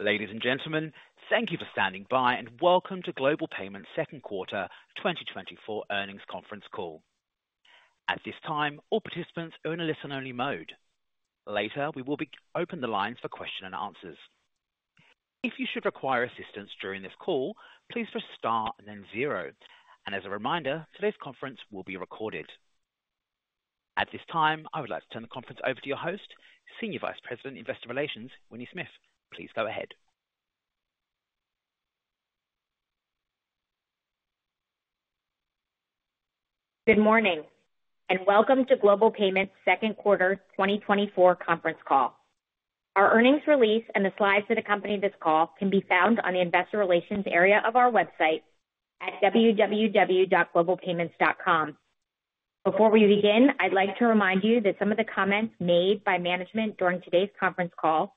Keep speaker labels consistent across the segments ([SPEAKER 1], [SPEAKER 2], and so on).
[SPEAKER 1] Ladies, and gentlemen, thank you for standing by, and welcome to Global Payments Second Quarter 2024 Earnings Conference Call. At this time, all participants are in a listen-only mode. Later, we will open the lines for question-and-answers. If you should require assistance during this call, please press star and then zero. As a reminder, today's conference will be recorded. At this time, I would like to turn the conference over to your host, Senior Vice President, Investor Relations, Winnie Smith. Please go ahead.
[SPEAKER 2] Good morning, and welcome to Global Payments Second Quarter 2024 Conference Call. Our earnings release and the slides that accompany this call can be found on the Investor Relations area of our website at www.globalpayments.com. Before we begin, I'd like to remind you that some of the comments made by management during today's conference call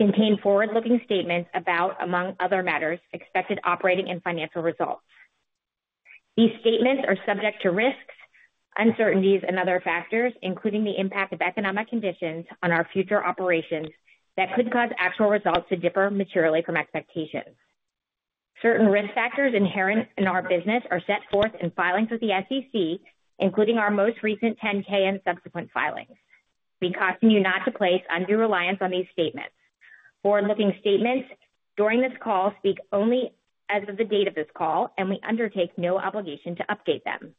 [SPEAKER 2] contain forward-looking statements about, among other matters, expected operating and financial results. These statements are subject to risks, uncertainties, and other factors, including the impact of economic conditions on our future operations, that could cause actual results to differ materially from expectations. Certain risk factors inherent in our business are set forth in filings with the SEC, including our most recent 10-K and subsequent filings. We caution you not to place undue reliance on these statements. Forward-looking statements during this call speak only as of the date of this call, and we undertake no obligation to update them.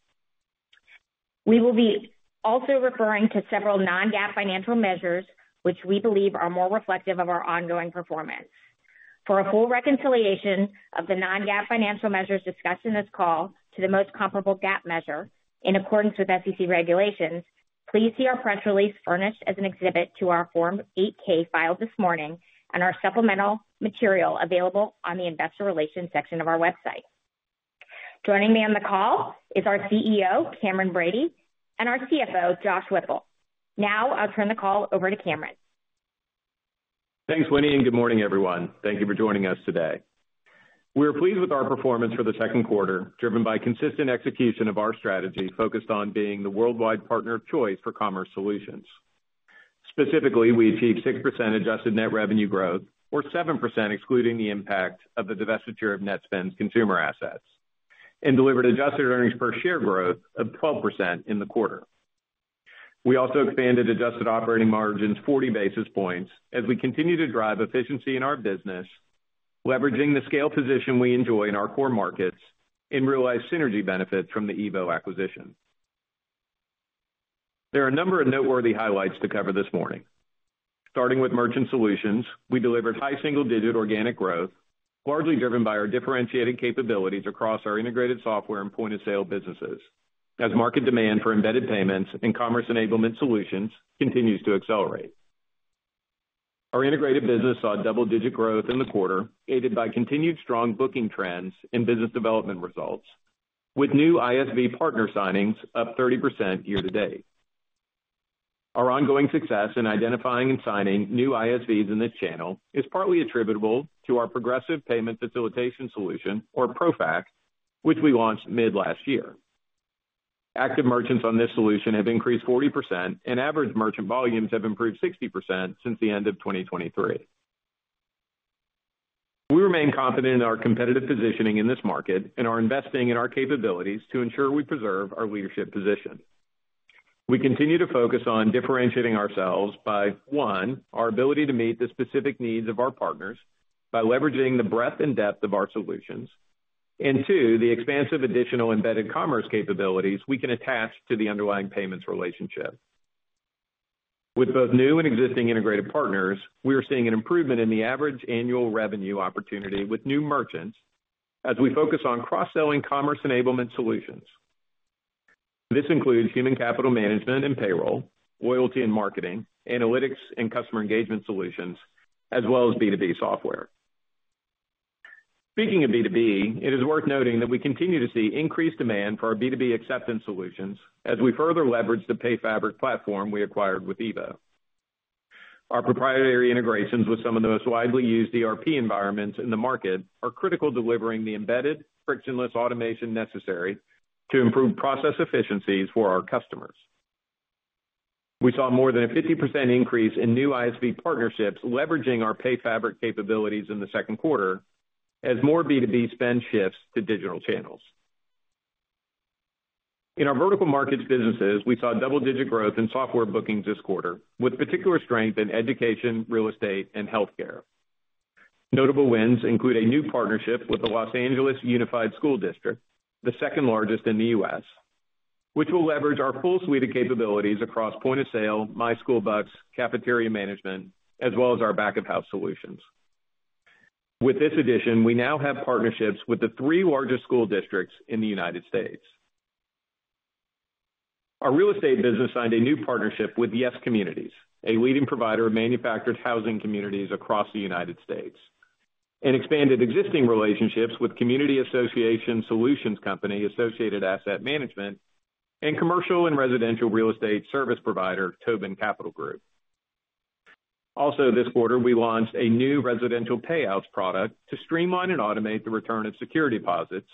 [SPEAKER 2] We will be also referring to several non-GAAP financial measures, which we believe are more reflective of our ongoing performance. For a full reconciliation of the non-GAAP financial measures discussed in this call to the most comparable GAAP measure, in accordance with SEC regulations, please see our press release furnished as an exhibit to our Form 8-K filed this morning and our supplemental material available on the Investor Relations section of our website. Joining me on the call is our CEO, Cameron Bready, and our CFO, Josh Whipple. Now I'll turn the call over to Cameron.
[SPEAKER 3] Thanks, Winnie, and good morning, everyone. Thank you for joining us today. We are pleased with our performance for the second quarter, driven by consistent execution of our strategy, focused on being the worldwide partner of choice for commerce solutions. Specifically, we achieved 6% adjusted net revenue growth, or 7% excluding the impact of the divestiture of Netspend's consumer assets, and delivered adjusted earnings per share growth of 12% in the quarter. We also expanded adjusted operating margins 40 basis points as we continue to drive efficiency in our business, leveraging the scale position we enjoy in our core markets and realize synergy benefits from the EVO acquisition. There are a number of noteworthy highlights to cover this morning. Starting with Merchant Solutions, we delivered high single-digit organic growth, largely driven by our differentiated capabilities across our integrated software and point-of-sale businesses, as market demand for embedded payments and commerce enablement solutions continues to accelerate. Our integrated business saw double-digit growth in the quarter, aided by continued strong booking trends and business development results, with new ISV partner signings up 30% year-to-date. Our ongoing success in identifying and signing new ISVs in this channel is partly attributable to our Progressive Payment Facilitation solution, or ProFac, which we launched mid last year. Active merchants on this solution have increased 40%, and average merchant volumes have improved 60% since the end of 2023. We remain confident in our competitive positioning in this market and are investing in our capabilities to ensure we preserve our leadership position. We continue to focus on differentiating ourselves by, one, our ability to meet the specific needs of our partners by leveraging the breadth and depth of our solutions, and, two, the expansive additional embedded commerce capabilities we can attach to the underlying payments relationship. With both new and existing integrated partners, we are seeing an improvement in the average annual revenue opportunity with new merchants as we focus on cross-selling commerce enablement solutions. This includes human capital management and payroll, loyalty and marketing, analytics and customer engagement solutions, as well as B2B software. Speaking of B2B, it is worth noting that we continue to see increased demand for our B2B acceptance solutions as we further leverage the PayFabric platform we acquired with EVO. Our proprietary integrations with some of the most widely used ERP environments in the market are critical to delivering the embedded, frictionless automation necessary to improve process efficiencies for our customers. We saw more than a 50% increase in new ISV partnerships, leveraging our PayFabric capabilities in the second quarter, as more B2B spend shifts to digital channels. In our vertical markets businesses, we saw double-digit growth in software bookings this quarter, with particular strength in education, real estate, and healthcare. Notable wins include a new partnership with the Los Angeles Unified School District, the second largest in the U.S., which will leverage our full suite of capabilities across point of sale, MySchoolBucks, cafeteria management, as well as our back-of-house solutions. With this addition, we now have partnerships with the three largest school districts in the United States. Our real estate business signed a new partnership with YES Communities, a leading provider of manufactured housing communities across the United States, and expanded existing relationships with community association solutions company, Associated Asset Management, and commercial and residential real estate service provider, Tobin Capital Group. Also, this quarter, we launched a new residential payouts product to streamline and automate the return of security deposits,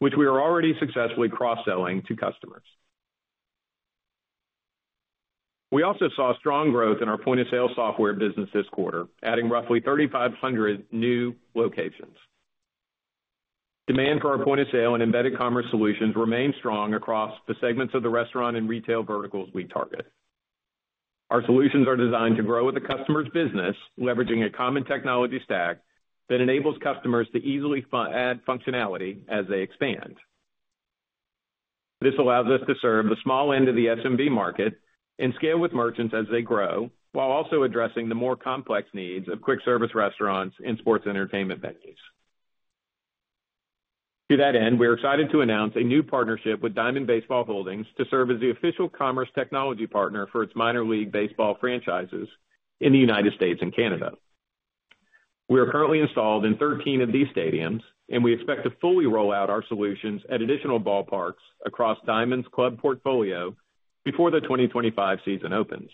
[SPEAKER 3] which we are already successfully cross-selling to customers.... We also saw strong growth in our point-of-sale software business this quarter, adding roughly 3,500 new locations. Demand for our point of sale and embedded commerce solutions remain strong across the segments of the restaurant and retail verticals we target. Our solutions are designed to grow with the customer's business, leveraging a common technology stack that enables customers to easily add functionality as they expand. This allows us to serve the small end of the SMB market and scale with merchants as they grow, while also addressing the more complex needs of quick service restaurants and sports entertainment venues. To that end, we are excited to announce a new partnership with Diamond Baseball Holdings to serve as the official commerce technology partner for its Minor League Baseball franchises in the United States and Canada. We are currently installed in 13 of these stadiums, and we expect to fully roll out our solutions at additional ballparks across Diamond's club portfolio before the 2025 season opens.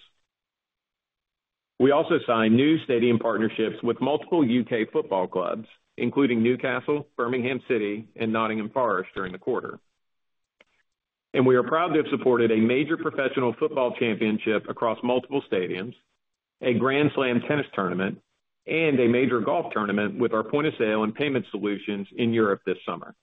[SPEAKER 3] We also signed new stadium partnerships with multiple U.K. football clubs, including Newcastle, Birmingham City, and Nottingham Forest, during the quarter. We are proud to have supported a major professional football championship across multiple stadiums, a Grand Slam tennis tournament, and a major golf tournament with our point of sale and payment solutions in Europe this summer.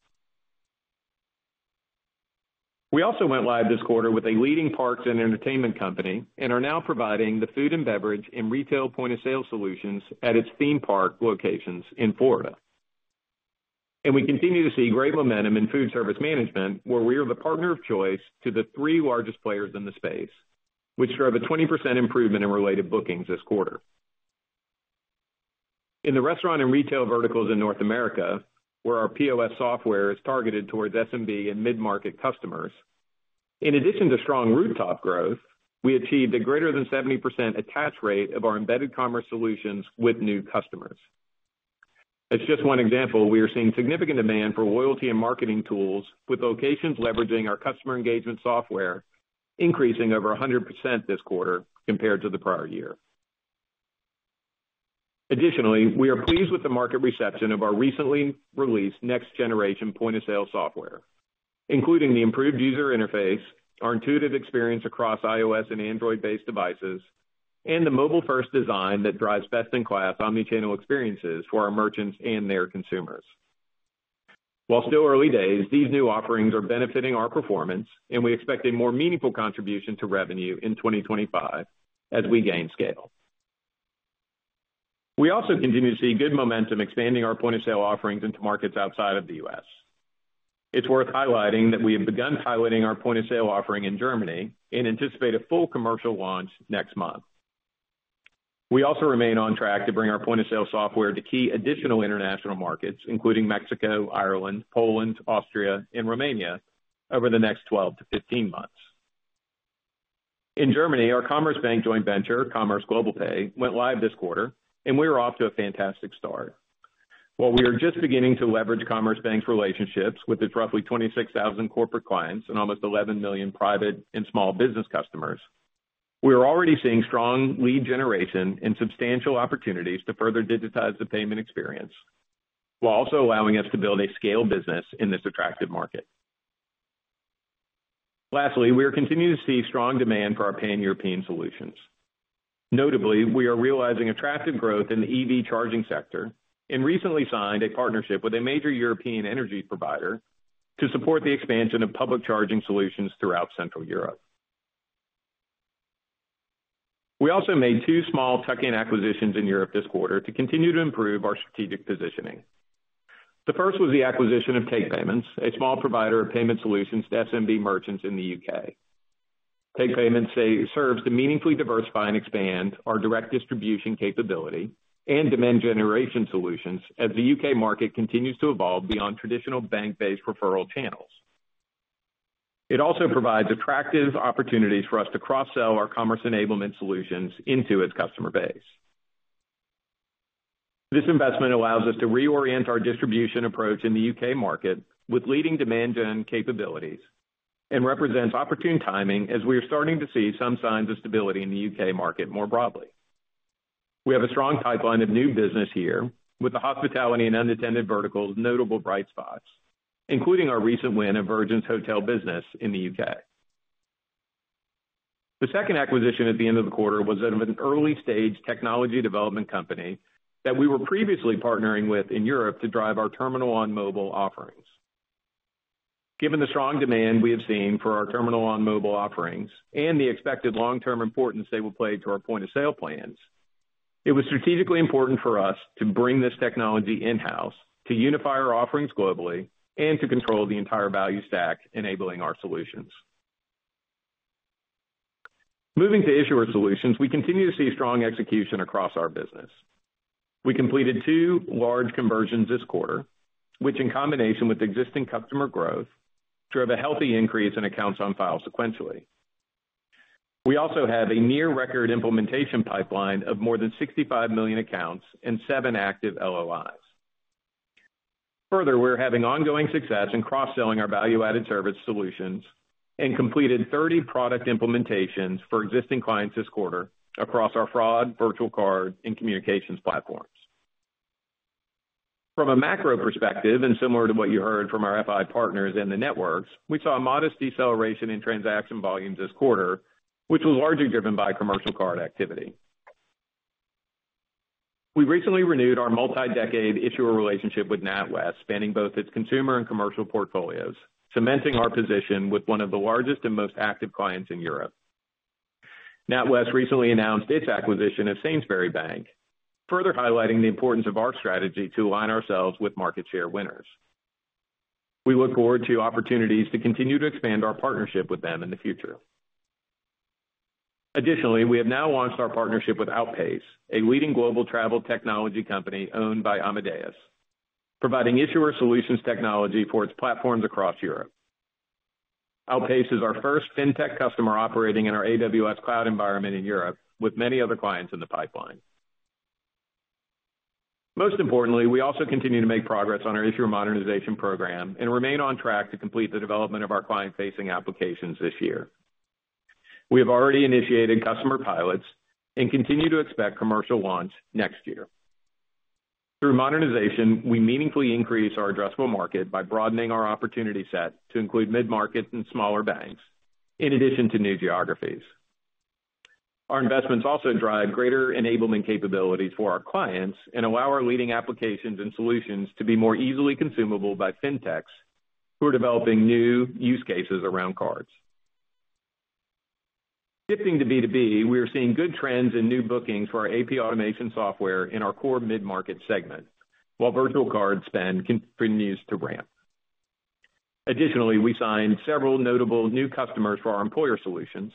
[SPEAKER 3] We also went live this quarter with a leading parks and entertainment company, and are now providing the food and beverage and retail point-of-sale solutions at its theme park locations in Florida. We continue to see great momentum in food service management, where we are the partner of choice to the three largest players in the space, which drove a 20% improvement in related bookings this quarter. In the restaurant and retail verticals in North America, where our POS software is targeted towards SMB and mid-market customers, in addition to strong rooftop growth, we achieved a greater than 70% attach rate of our embedded commerce solutions with new customers. As just one example, we are seeing significant demand for loyalty and marketing tools, with locations leveraging our customer engagement software increasing over 100% this quarter compared to the prior year. Additionally, we are pleased with the market reception of our recently released next-generation point-of-sale software, including the improved user interface, our intuitive experience across iOS and Android-based devices, and the mobile-first design that drives best-in-class omni-channel experiences for our merchants and their consumers. While still early days, these new offerings are benefiting our performance, and we expect a more meaningful contribution to revenue in 2025 as we gain scale. We also continue to see good momentum expanding our point-of-sale offerings into markets outside of the U.S. It's worth highlighting that we have begun piloting our point-of-sale offering in Germany and anticipate a full commercial launch next month. We also remain on track to bring our point-of-sale software to key additional international markets, including Mexico, Ireland, Poland, Austria, and Romania over the next 12-15 months. In Germany, our Commerzbank joint venture, Commerz Globalpay, went live this quarter, and we are off to a fantastic start. While we are just beginning to leverage Commerzbank's relationships with its roughly 26,000 corporate clients and almost 11 million private and small business customers, we are already seeing strong lead generation and substantial opportunities to further digitize the payment experience, while also allowing us to build a scale business in this attractive market. Lastly, we are continuing to see strong demand for our Pan-European solutions. Notably, we are realizing attractive growth in the EV charging sector and recently signed a partnership with a major European energy provider to support the expansion of public charging solutions throughout Central Europe. We also made two small tuck-in acquisitions in Europe this quarter to continue to improve our strategic positioning. The first was the acquisition of takepayments, a small provider of payment solutions to SMB merchants in the U.K. takepayments serves to meaningfully diversify and expand our direct distribution capability and demand generation solutions as the U.K. market continues to evolve beyond traditional bank-based referral channels. It also provides attractive opportunities for us to cross-sell our commerce enablement solutions into its customer base. This investment allows us to reorient our distribution approach in the U.K. market with leading demand gen capabilities and represents opportune timing as we are starting to see some signs of stability in the U.K. market more broadly. We have a strong pipeline of new business here, with the hospitality and unattended verticals notable bright spots, including our recent win of Virgin Hotels' hotel business in the U.K. The second acquisition at the end of the quarter was that of an early-stage technology development company that we were previously partnering with in Europe to drive our terminal on mobile offerings. Given the strong demand we have seen for our terminal on mobile offerings and the expected long-term importance they will play to our point-of-sale plans, it was strategically important for us to bring this technology in-house, to unify our offerings globally, and to control the entire value stack enabling our solutions. Moving to issuer solutions, we continue to see strong execution across our business. We completed two large conversions this quarter, which, in combination with existing customer growth, drove a healthy increase in accounts on file sequentially. We also have a near record implementation pipeline of more than 65 million accounts and seven active LOIs. Further, we're having ongoing success in cross-selling our value-added service solutions and completed 30 product implementations for existing clients this quarter across our fraud, virtual card, and communications platforms. From a macro perspective, and similar to what you heard from our FI partners in the networks, we saw a modest deceleration in transaction volumes this quarter, which was largely driven by commercial card activity. We recently renewed our multi-decade issuer relationship with NatWest, spanning both its consumer and commercial portfolios, cementing our position with one of the largest and most active clients in Europe. NatWest recently announced its acquisition of Sainsbury's Bank, further highlighting the importance of our strategy to align ourselves with market share winners. We look forward to opportunities to continue to expand our partnership with them in the future. Additionally, we have now launched our partnership with Outpayce, a leading global travel technology company owned by Amadeus, providing issuer solutions technology for its platforms across Europe. Outpayce is our first fintech customer operating in our AWS cloud environment in Europe, with many other clients in the pipeline. Most importantly, we also continue to make progress on our issuer modernization program and remain on track to complete the development of our client-facing applications this year. We have already initiated customer pilots and continue to expect commercial launch next year. Through modernization, we meaningfully increase our addressable market by broadening our opportunity set to include mid-market and smaller banks, in addition to new geographies. Our investments also drive greater enablement capabilities for our clients and allow our leading applications and solutions to be more easily consumable by fintechs, who are developing new use cases around cards. Shifting to B2B, we are seeing good trends in new bookings for our AP Automation software in our core mid-market segment, while virtual card spend continues to ramp. Additionally, we signed several notable new customers for our employer solutions,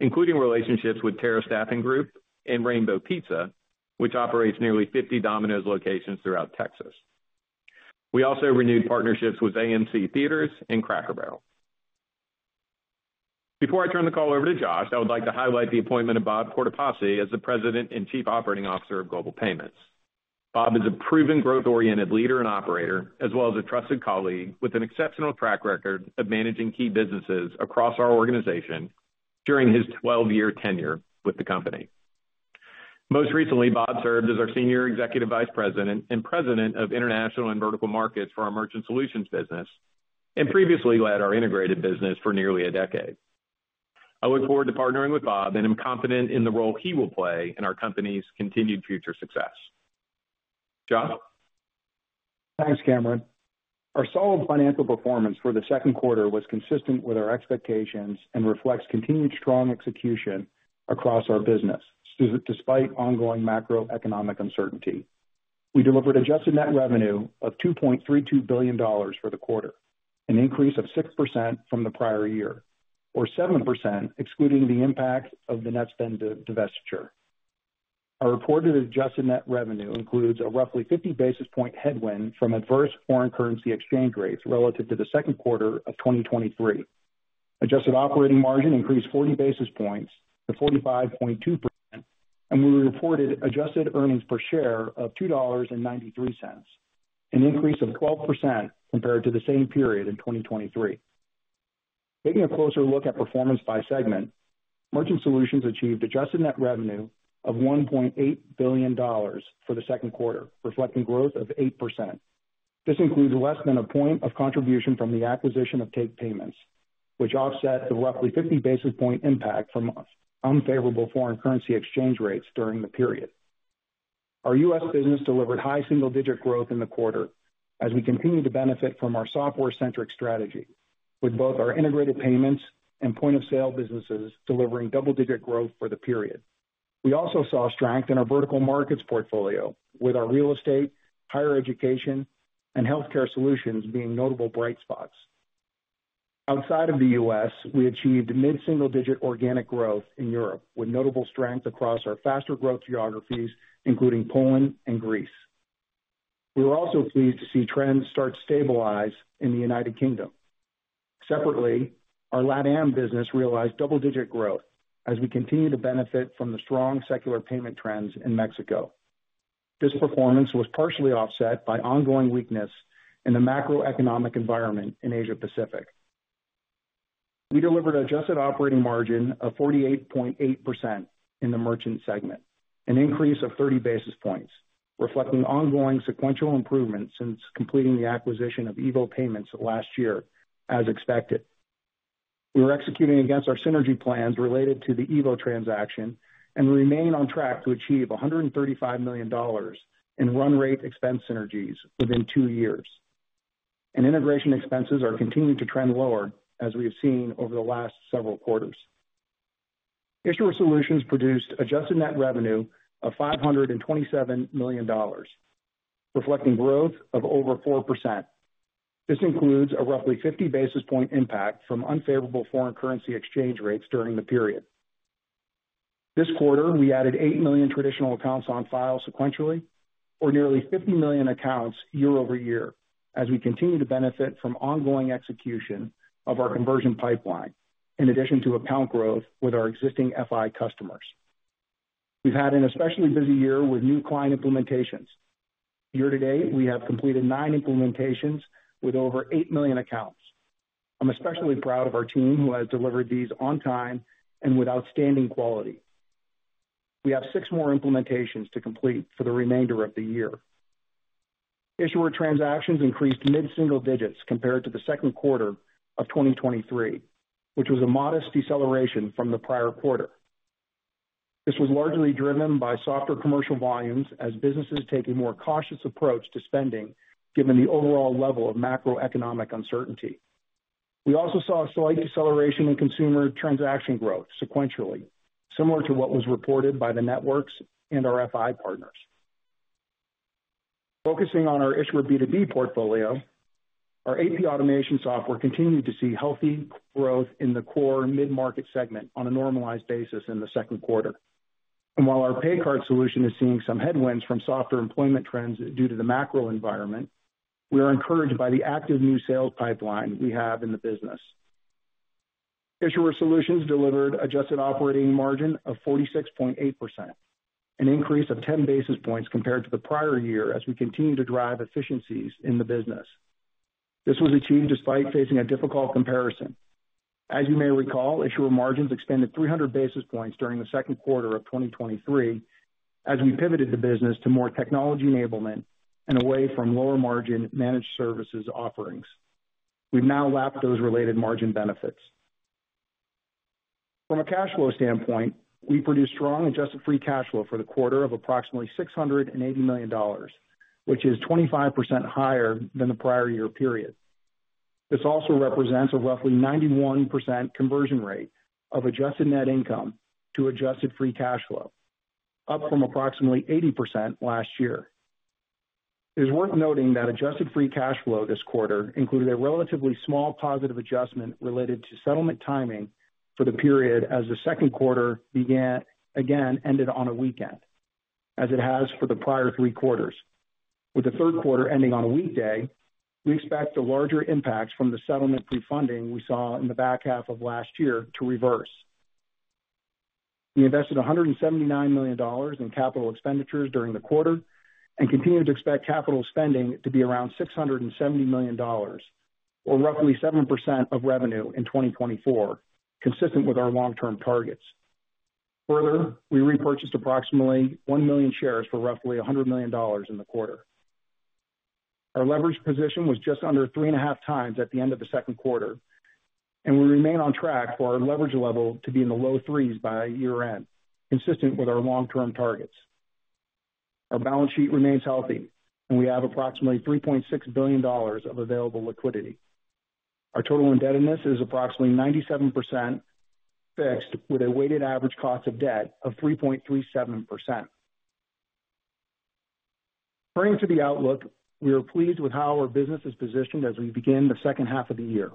[SPEAKER 3] including relationships with Terra Staffing Group and Rainbow Pizza, which operates nearly 50 Domino's locations throughout Texas. We also renewed partnerships with AMC Theatres and Cracker Barrel. Before I turn the call over to Josh, I would like to highlight the appointment of Bob Cortopassi as the President and Chief Operating Officer of Global Payments. Bob is a proven, growth-oriented leader and operator, as well as a trusted colleague with an exceptional track record of managing key businesses across our organization during his 12-year tenure with the company. Most recently, Bob served as our Senior Executive Vice President and President of International and Vertical Markets for our Merchant Solutions business, and previously led our integrated business for nearly a decade. I look forward to partnering with Bob and am confident in the role he will play in our company's continued future success. Josh?
[SPEAKER 4] Thanks, Cameron. Our solid financial performance for the second quarter was consistent with our expectations and reflects continued strong execution across our business, despite ongoing macroeconomic uncertainty. We delivered adjusted net revenue of $2.32 billion for the quarter, an increase of 6% from the prior year, or 7% excluding the impact of the Netspend divestiture. Our reported adjusted net revenue includes a roughly 50 basis point headwind from adverse foreign currency exchange rates relative to the second quarter of 2023. Adjusted operating margin increased 40 basis points to 45.2%, and we reported adjusted earnings per share of $2.93, an increase of 12% compared to the same period in 2023. Taking a closer look at performance by segment, Merchant Solutions achieved adjusted net revenue of $1.8 billion for the second quarter, reflecting growth of 8%. This includes less than a point of contribution from the acquisition of takepayments, which offset the roughly 50 basis point impact from unfavorable foreign currency exchange rates during the period. Our U.S. business delivered high single-digit growth in the quarter as we continue to benefit from our software-centric strategy, with both our integrated payments and point-of-sale businesses delivering double-digit growth for the period. We also saw strength in our vertical markets portfolio, with our real estate, higher education, and healthcare solutions being notable bright spots. Outside of the U.S., we achieved mid-single-digit organic growth in Europe, with notable strength across our faster growth geographies, including Poland and Greece. We were also pleased to see trends start to stabilize in the United Kingdom. Separately, our LatAm business realized double-digit growth as we continue to benefit from the strong secular payment trends in Mexico. This performance was partially offset by ongoing weakness in the macroeconomic environment in Asia Pacific. We delivered adjusted operating margin of 48.8% in the merchant segment, an increase of 30 basis points, reflecting ongoing sequential improvement since completing the acquisition of EVO Payments last year as expected. We are executing against our synergy plans related to the EVO transaction and remain on track to achieve $135 million in run rate expense synergies within two years. Integration expenses are continuing to trend lower, as we have seen over the last several quarters. Issuer Solutions produced adjusted net revenue of $527 million, reflecting growth of over 4%. This includes a roughly 50 basis point impact from unfavorable foreign currency exchange rates during the period. This quarter, we added 8 million traditional accounts on file sequentially, or nearly 50 million accounts year-over-year, as we continue to benefit from ongoing execution of our conversion pipeline, in addition to account growth with our existing FI customers. We've had an especially busy year with new client implementations. Year-to-date, we have completed nine implementations with over 8 million accounts. I'm especially proud of our team, who has delivered these on time and with outstanding quality. We have six more implementations to complete for the remainder of the year. Issuer transactions increased mid-single digits compared to the second quarter of 2023, which was a modest deceleration from the prior quarter. This was largely driven by softer commercial volumes as businesses take a more cautious approach to spending, given the overall level of macroeconomic uncertainty. We also saw a slight deceleration in consumer transaction growth sequentially, similar to what was reported by the networks and our FI partners. Focusing on our issuer B2B portfolio, our AP Automation software continued to see healthy growth in the core mid-market segment on a normalized basis in the second quarter. And while our PayCard solution is seeing some headwinds from softer employment trends due to the macro environment, we are encouraged by the active new sales pipeline we have in the business. Issuer Solutions delivered adjusted operating margin of 46.8%, an increase of 10 basis points compared to the prior year as we continue to drive efficiencies in the business. This was achieved despite facing a difficult comparison. As you may recall, issuer margins expanded 300 basis points during the second quarter of 2023, as we pivoted the business to more technology enablement and away from lower-margin managed services offerings. We've now lapped those related margin benefits. From a cash flow standpoint, we produced strong adjusted free cash flow for the quarter of approximately $680 million, which is 25% higher than the prior year period. This also represents a roughly 91% conversion rate of adjusted net income to adjusted free cash flow, up from approximately 80% last year. It is worth noting that adjusted free cash flow this quarter included a relatively small positive adjustment related to settlement timing for the period as the second quarter ended on a weekend, as it has for the prior three quarters. With the third quarter ending on a weekday, we expect the larger impacts from the settlement pre-funding we saw in the back half of last year to reverse. We invested $179 million in capital expenditures during the quarter and continue to expect capital spending to be around $670 million, or roughly 7% of revenue in 2024, consistent with our long-term targets. Further, we repurchased approximately 1 million shares for roughly $100 million in the quarter. Our leverage position was just under 3.5 times at the end of the second quarter, and we remain on track for our leverage level to be in the low 3s by year-end, consistent with our long-term targets. Our balance sheet remains healthy, and we have approximately $3.6 billion of available liquidity. Our total indebtedness is approximately 97% fixed, with a weighted average cost of debt of 3.37%. Turning to the outlook, we are pleased with how our business is positioned as we begin the second half of the year.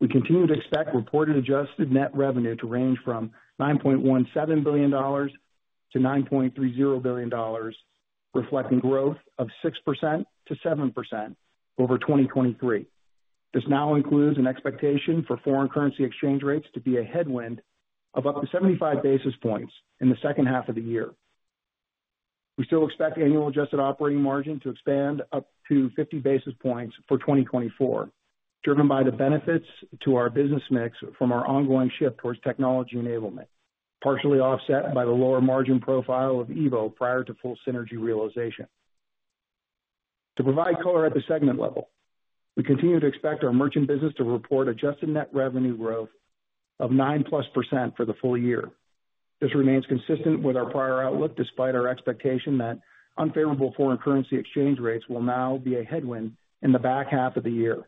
[SPEAKER 4] We continue to expect reported adjusted net revenue to range from $9.17 billion-$9.30 billion, reflecting growth of 6%-7% over 2023. This now includes an expectation for foreign currency exchange rates to be a headwind of up to 75 basis points in the second half of the year. We still expect annual adjusted operating margin to expand up to 50 basis points for 2024, driven by the benefits to our business mix from our ongoing shift towards technology enablement, partially offset by the lower margin profile of EVO prior to full synergy realization. To provide color at the segment level, we continue to expect our merchant business to report adjusted net revenue growth of 9%+ for the full year. This remains consistent with our prior outlook, despite our expectation that unfavorable foreign currency exchange rates will now be a headwind in the back half of the year.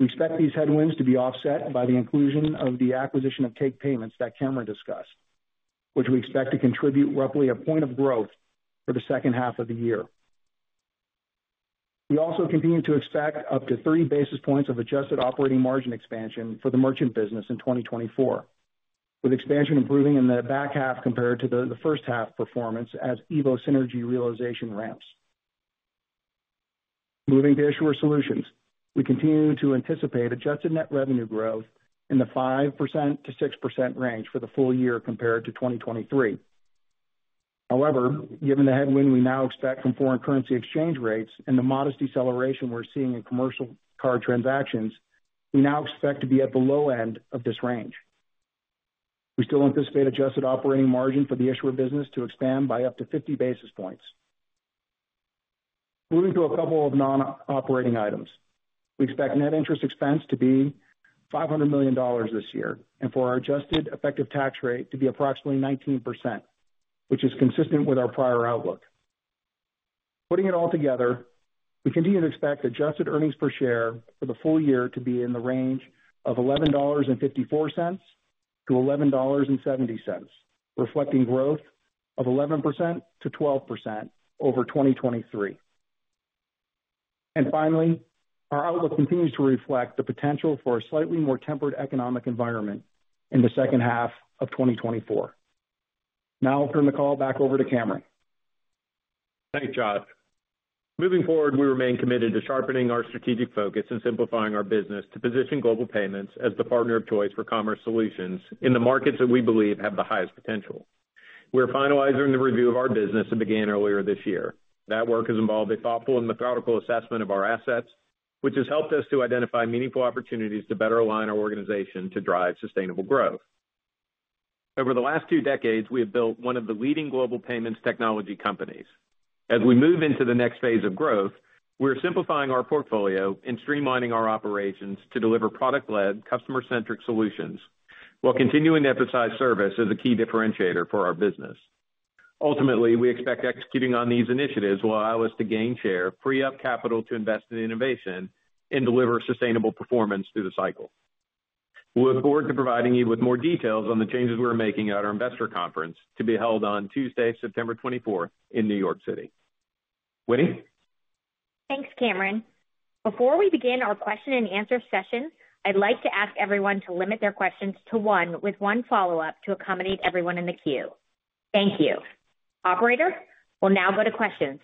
[SPEAKER 4] We expect these headwinds to be offset by the inclusion of the acquisition of takepayments that Cameron discussed, which we expect to contribute roughly a point of growth for the second half of the year. We also continue to expect up to 30 basis points of adjusted operating margin expansion for the merchant business in 2024, with expansion improving in the back half compared to the first half performance as EVO synergy realization ramps. Moving to Issuer Solutions, we continue to anticipate adjusted net revenue growth in the 5%-6% range for the full year compared to 2023. However, given the headwind we now expect from foreign currency exchange rates and the modest deceleration we're seeing in commercial card transactions, we now expect to be at the low end of this range. We still anticipate adjusted operating margin for the issuer business to expand by up to 50 basis points. Moving to a couple of non-operating items. We expect net interest expense to be $500 million this year, and for our adjusted effective tax rate to be approximately 19%, which is consistent with our prior outlook. Putting it all together, we continue to expect adjusted earnings per share for the full year to be in the range of $11.54-$11.70, reflecting growth of 11%-12% over 2023. And finally, our outlook continues to reflect the potential for a slightly more tempered economic environment in the second half of 2024. Now I'll turn the call back over to Cameron.
[SPEAKER 3] Thanks, Josh. Moving forward, we remain committed to sharpening our strategic focus and simplifying our business to position Global Payments as the partner of choice for commerce solutions in the markets that we believe have the highest potential. We're finalizing the review of our business that began earlier this year. That work has involved a thoughtful and methodical assessment of our assets... which has helped us to identify meaningful opportunities to better align our organization to drive sustainable growth. Over the last two decades, we have built one of the leading global payments technology companies. As we move into the next phase of growth, we're simplifying our portfolio and streamlining our operations to deliver product-led, customer-centric solutions, while continuing to emphasize service as a key differentiator for our business. Ultimately, we expect executing on these initiatives will allow us to gain share, free up capital to invest in innovation, and deliver sustainable performance through the cycle. We look forward to providing you with more details on the changes we're making at our investor conference to be held on Tuesday, September 24th in New York City. Winnie?
[SPEAKER 2] Thanks, Cameron. Before we begin our question-and-answer session, I'd like to ask everyone to limit their questions to one, with one follow-up, to accommodate everyone in the queue. Thank you. Operator, we'll now go to questions.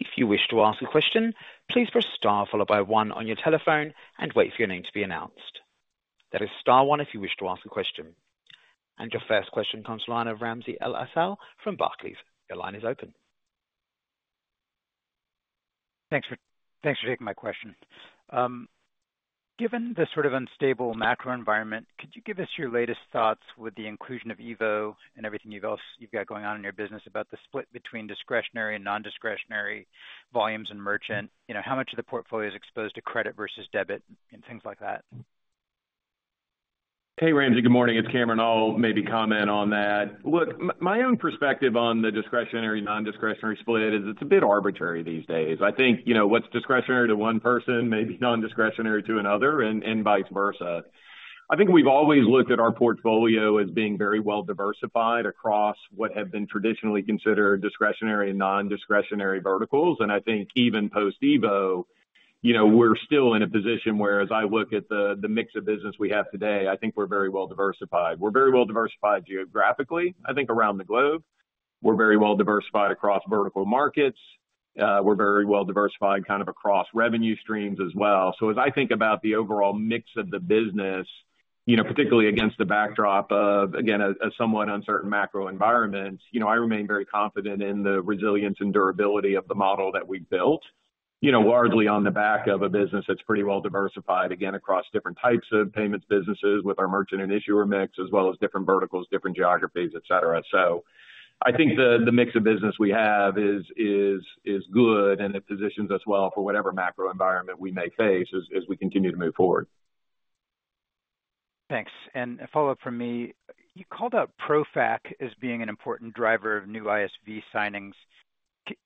[SPEAKER 1] If you wish to ask a question, please press star followed by one on your telephone and wait for your name to be announced. That is star one if you wish to ask a question. Your first question comes from the line of Ramsey El-Assal from Barclays. Your line is open.
[SPEAKER 5] Thanks for taking my question. Given the sort of unstable macro environment, could you give us your latest thoughts with the inclusion of EVO and everything else you've got going on in your business, about the split between discretionary and nondiscretionary volumes in merchant? You know, how much of the portfolio is exposed to credit versus debit and things like that?
[SPEAKER 3] Hey, Ramsey. Good morning. It's Cameron. I'll maybe comment on that. Look, my own perspective on the discretionary, nondiscretionary split is it's a bit arbitrary these days. I think, you know, what's discretionary to one person may be nondiscretionary to another and, and vice versa. I think we've always looked at our portfolio as being very well diversified across what have been traditionally considered discretionary and nondiscretionary verticals. And I think even post-EVO, you know, we're still in a position where as I look at the, the mix of business we have today, I think we're very well diversified. We're very well diversified geographically, I think, around the globe. We're very well diversified across vertical markets. We're very well diversified kind of across revenue streams as well. So as I think about the overall mix of the business, you know, particularly against the backdrop of, again, a somewhat uncertain macro environment, you know, I remain very confident in the resilience and durability of the model that we've built, you know, largely on the back of a business that's pretty well diversified, again, across different types of payments businesses with our merchant and issuer mix, as well as different verticals, different geographies, et cetera. So I think the mix of business we have is good, and it positions us well for whatever macro environment we may face as we continue to move forward.
[SPEAKER 5] Thanks. And a follow-up from me. You called out ProFac as being an important driver of new ISV signings.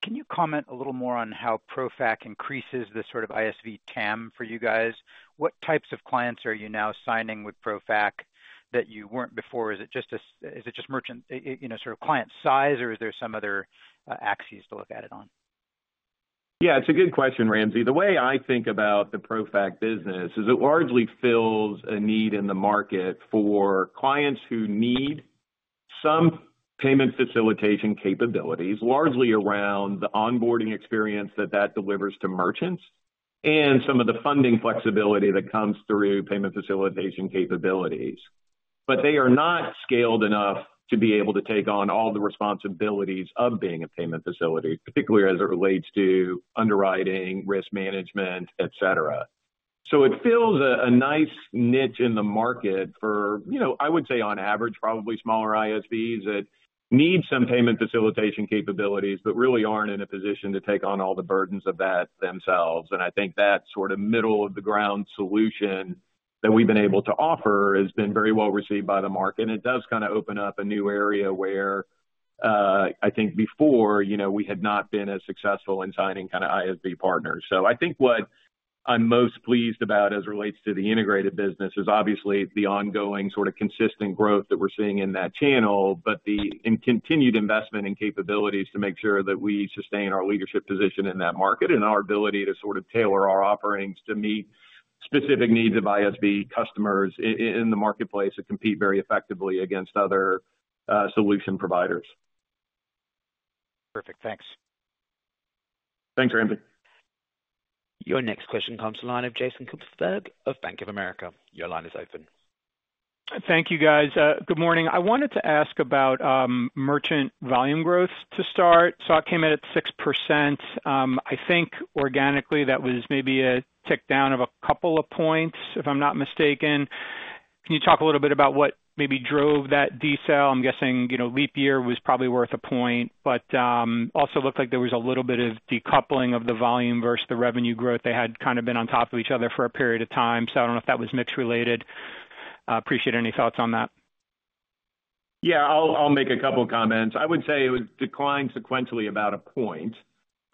[SPEAKER 5] Can you comment a little more on how ProFac increases the sort of ISV TAM for you guys? What types of clients are you now signing with ProFac that you weren't before? Is it just merchant, you know, sort of client size, or is there some other axes to look at it on?
[SPEAKER 3] Yeah, it's a good question, Ramsey. The way I think about the ProFac business is it largely fills a need in the market for clients who need some payment facilitation capabilities, largely around the onboarding experience that that delivers to merchants, and some of the funding flexibility that comes through payment facilitation capabilities. But they are not scaled enough to be able to take on all the responsibilities of being a payment facility, particularly as it relates to underwriting, risk management, et cetera. So it fills a nice niche in the market for, you know, I would say on average, probably smaller ISVs that need some payment facilitation capabilities, but really aren't in a position to take on all the burdens of that themselves. And I think that sort of middle-of-the-ground solution that we've been able to offer has been very well received by the market, and it does kinda open up a new area where, I think before, you know, we had not been as successful in signing kinda ISV partners. So I think what I'm most pleased about as it relates to the integrated business is obviously the ongoing sort of consistent growth that we're seeing in that channel, but the, and continued investment in capabilities to make sure that we sustain our leadership position in that market and our ability to sort of tailor our offerings to meet specific needs of ISV customers in the marketplace and compete very effectively against other, solution providers.
[SPEAKER 5] Perfect. Thanks.
[SPEAKER 3] Thanks, Ramsey.
[SPEAKER 1] Your next question comes from the line of Jason Kupferberg of Bank of America. Your line is open.
[SPEAKER 6] Thank you, guys. Good morning. I wanted to ask about merchant volume growth to start. Saw it came in at 6%. I think organically, that was maybe a tick down of a couple of points, if I'm not mistaken. Can you talk a little bit about what maybe drove that detail? I'm guessing, you know, leap year was probably worth a point, but also looked like there was a little bit of decoupling of the volume versus the revenue growth. They had kind of been on top of each other for a period of time, so I don't know if that was mix related. I appreciate any thoughts on that.
[SPEAKER 3] Yeah, I'll make a couple comments. I would say it would decline sequentially about a point.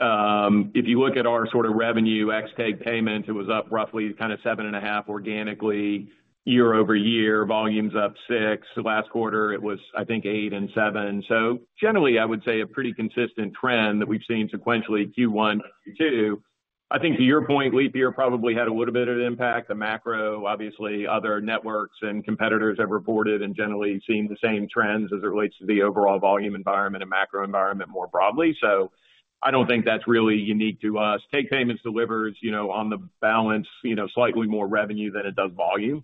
[SPEAKER 3] If you look at our sort of revenue ex takepayments, it was up roughly kind of 7.5 organically, year-over-year, volumes up six. So last quarter it was, I think, eight and seven. So generally, I would say a pretty consistent trend that we've seen sequentially, Q1, Q2. I think to your point, leap year probably had a little bit of impact. The macro, obviously, other networks and competitors have reported and generally seen the same trends as it relates to the overall volume environment and macro environment more broadly. So I don't think that's really unique to us. takepayments delivers, you know, on the balance, you know, slightly more revenue than it does volume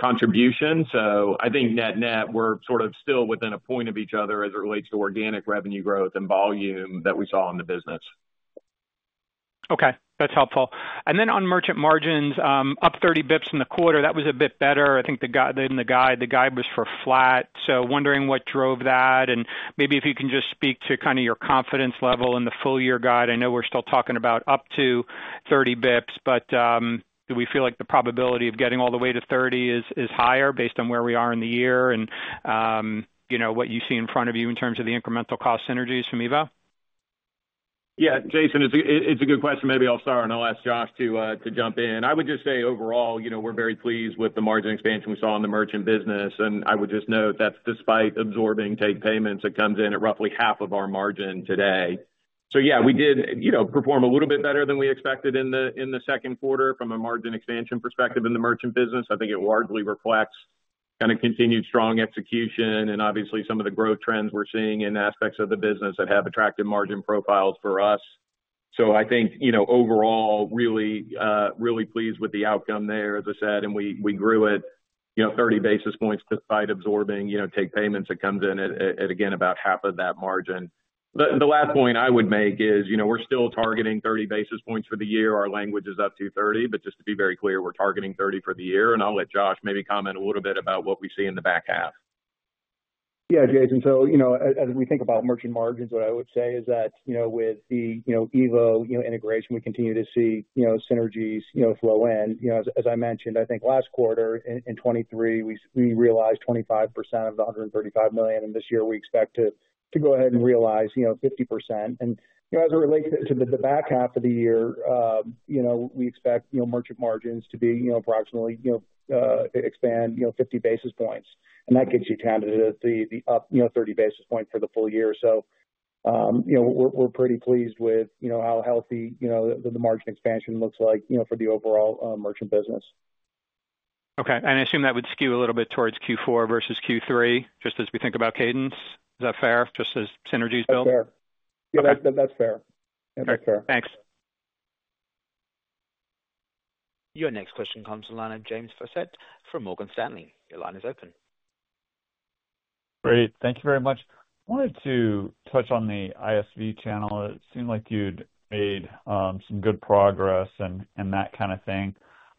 [SPEAKER 3] contribution. I think net-net, we're sort of still within a point of each other as it relates to organic revenue growth and volume that we saw in the business.
[SPEAKER 6] Okay, that's helpful. And then on merchant margins, up 30 basis points in the quarter, that was a bit better, I think, than the guide. The guide was for flat. So wondering what drove that, and maybe if you can just speak to kind of your confidence level in the full year guide. I know we're still talking about up to 30 basis points, but, do we feel like the probability of getting all the way to 30 is, is higher based on where we are in the year and, you know, what you see in front of you in terms of the incremental cost synergies from EVO?
[SPEAKER 3] Yeah, Jason, it's a good question. Maybe I'll start, and I'll ask Josh to jump in. I would just say, overall, you know, we're very pleased with the margin expansion we saw in the merchant business, and I would just note that's despite absorbing takepayments that comes in at roughly half of our margin today. So yeah, we did, you know, perform a little bit better than we expected in the second quarter from a margin expansion perspective in the merchant business. I think it largely reflects kind of continued strong execution and obviously some of the growth trends we're seeing in aspects of the business that have attractive margin profiles for us. So I think, you know, overall, really, really pleased with the outcome there, as I said, and we grew it, you know, 30 basis points despite absorbing, you know, takepayments that comes in at, again, about half of that margin. The last point I would make is, you know, we're still targeting 30 basis points for the year. Our language is up to 30, but just to be very clear, we're targeting 30 for the year, and I'll let Josh maybe comment a little bit about what we see in the back half.
[SPEAKER 4] Yeah, Jason, so you know, as we think about merchant margins, what I would say is that you know, with the EVO integration, we continue to see you know, synergies flow in. You know, as I mentioned, I think last quarter in 2023, we realized 25% of the $135 million, and this year we expect to go ahead and realize you know, 50%. And you know, as it relates to the back half of the year, you know, we expect you know, merchant margins to be approximately you know, expand 50 basis points. And that gets you down to the up you know, 30 basis points for the full year. So, you know, we're pretty pleased with, you know, how healthy, you know, the margin expansion looks like, you know, for the overall merchant business.
[SPEAKER 6] Okay. I assume that would skew a little bit towards Q4 versus Q3, just as we think about cadence. Is that fair, just as synergies build?
[SPEAKER 4] That's fair.
[SPEAKER 6] Okay.
[SPEAKER 4] Yeah, that, that's fair. That's fair.
[SPEAKER 6] Thanks.
[SPEAKER 1] Your next question comes from the line of James Faucette from Morgan Stanley. Your line is open.
[SPEAKER 7] Great. Thank you very much. I wanted to touch on the ISV channel. It seemed like you'd made some good progress and that kind of thing.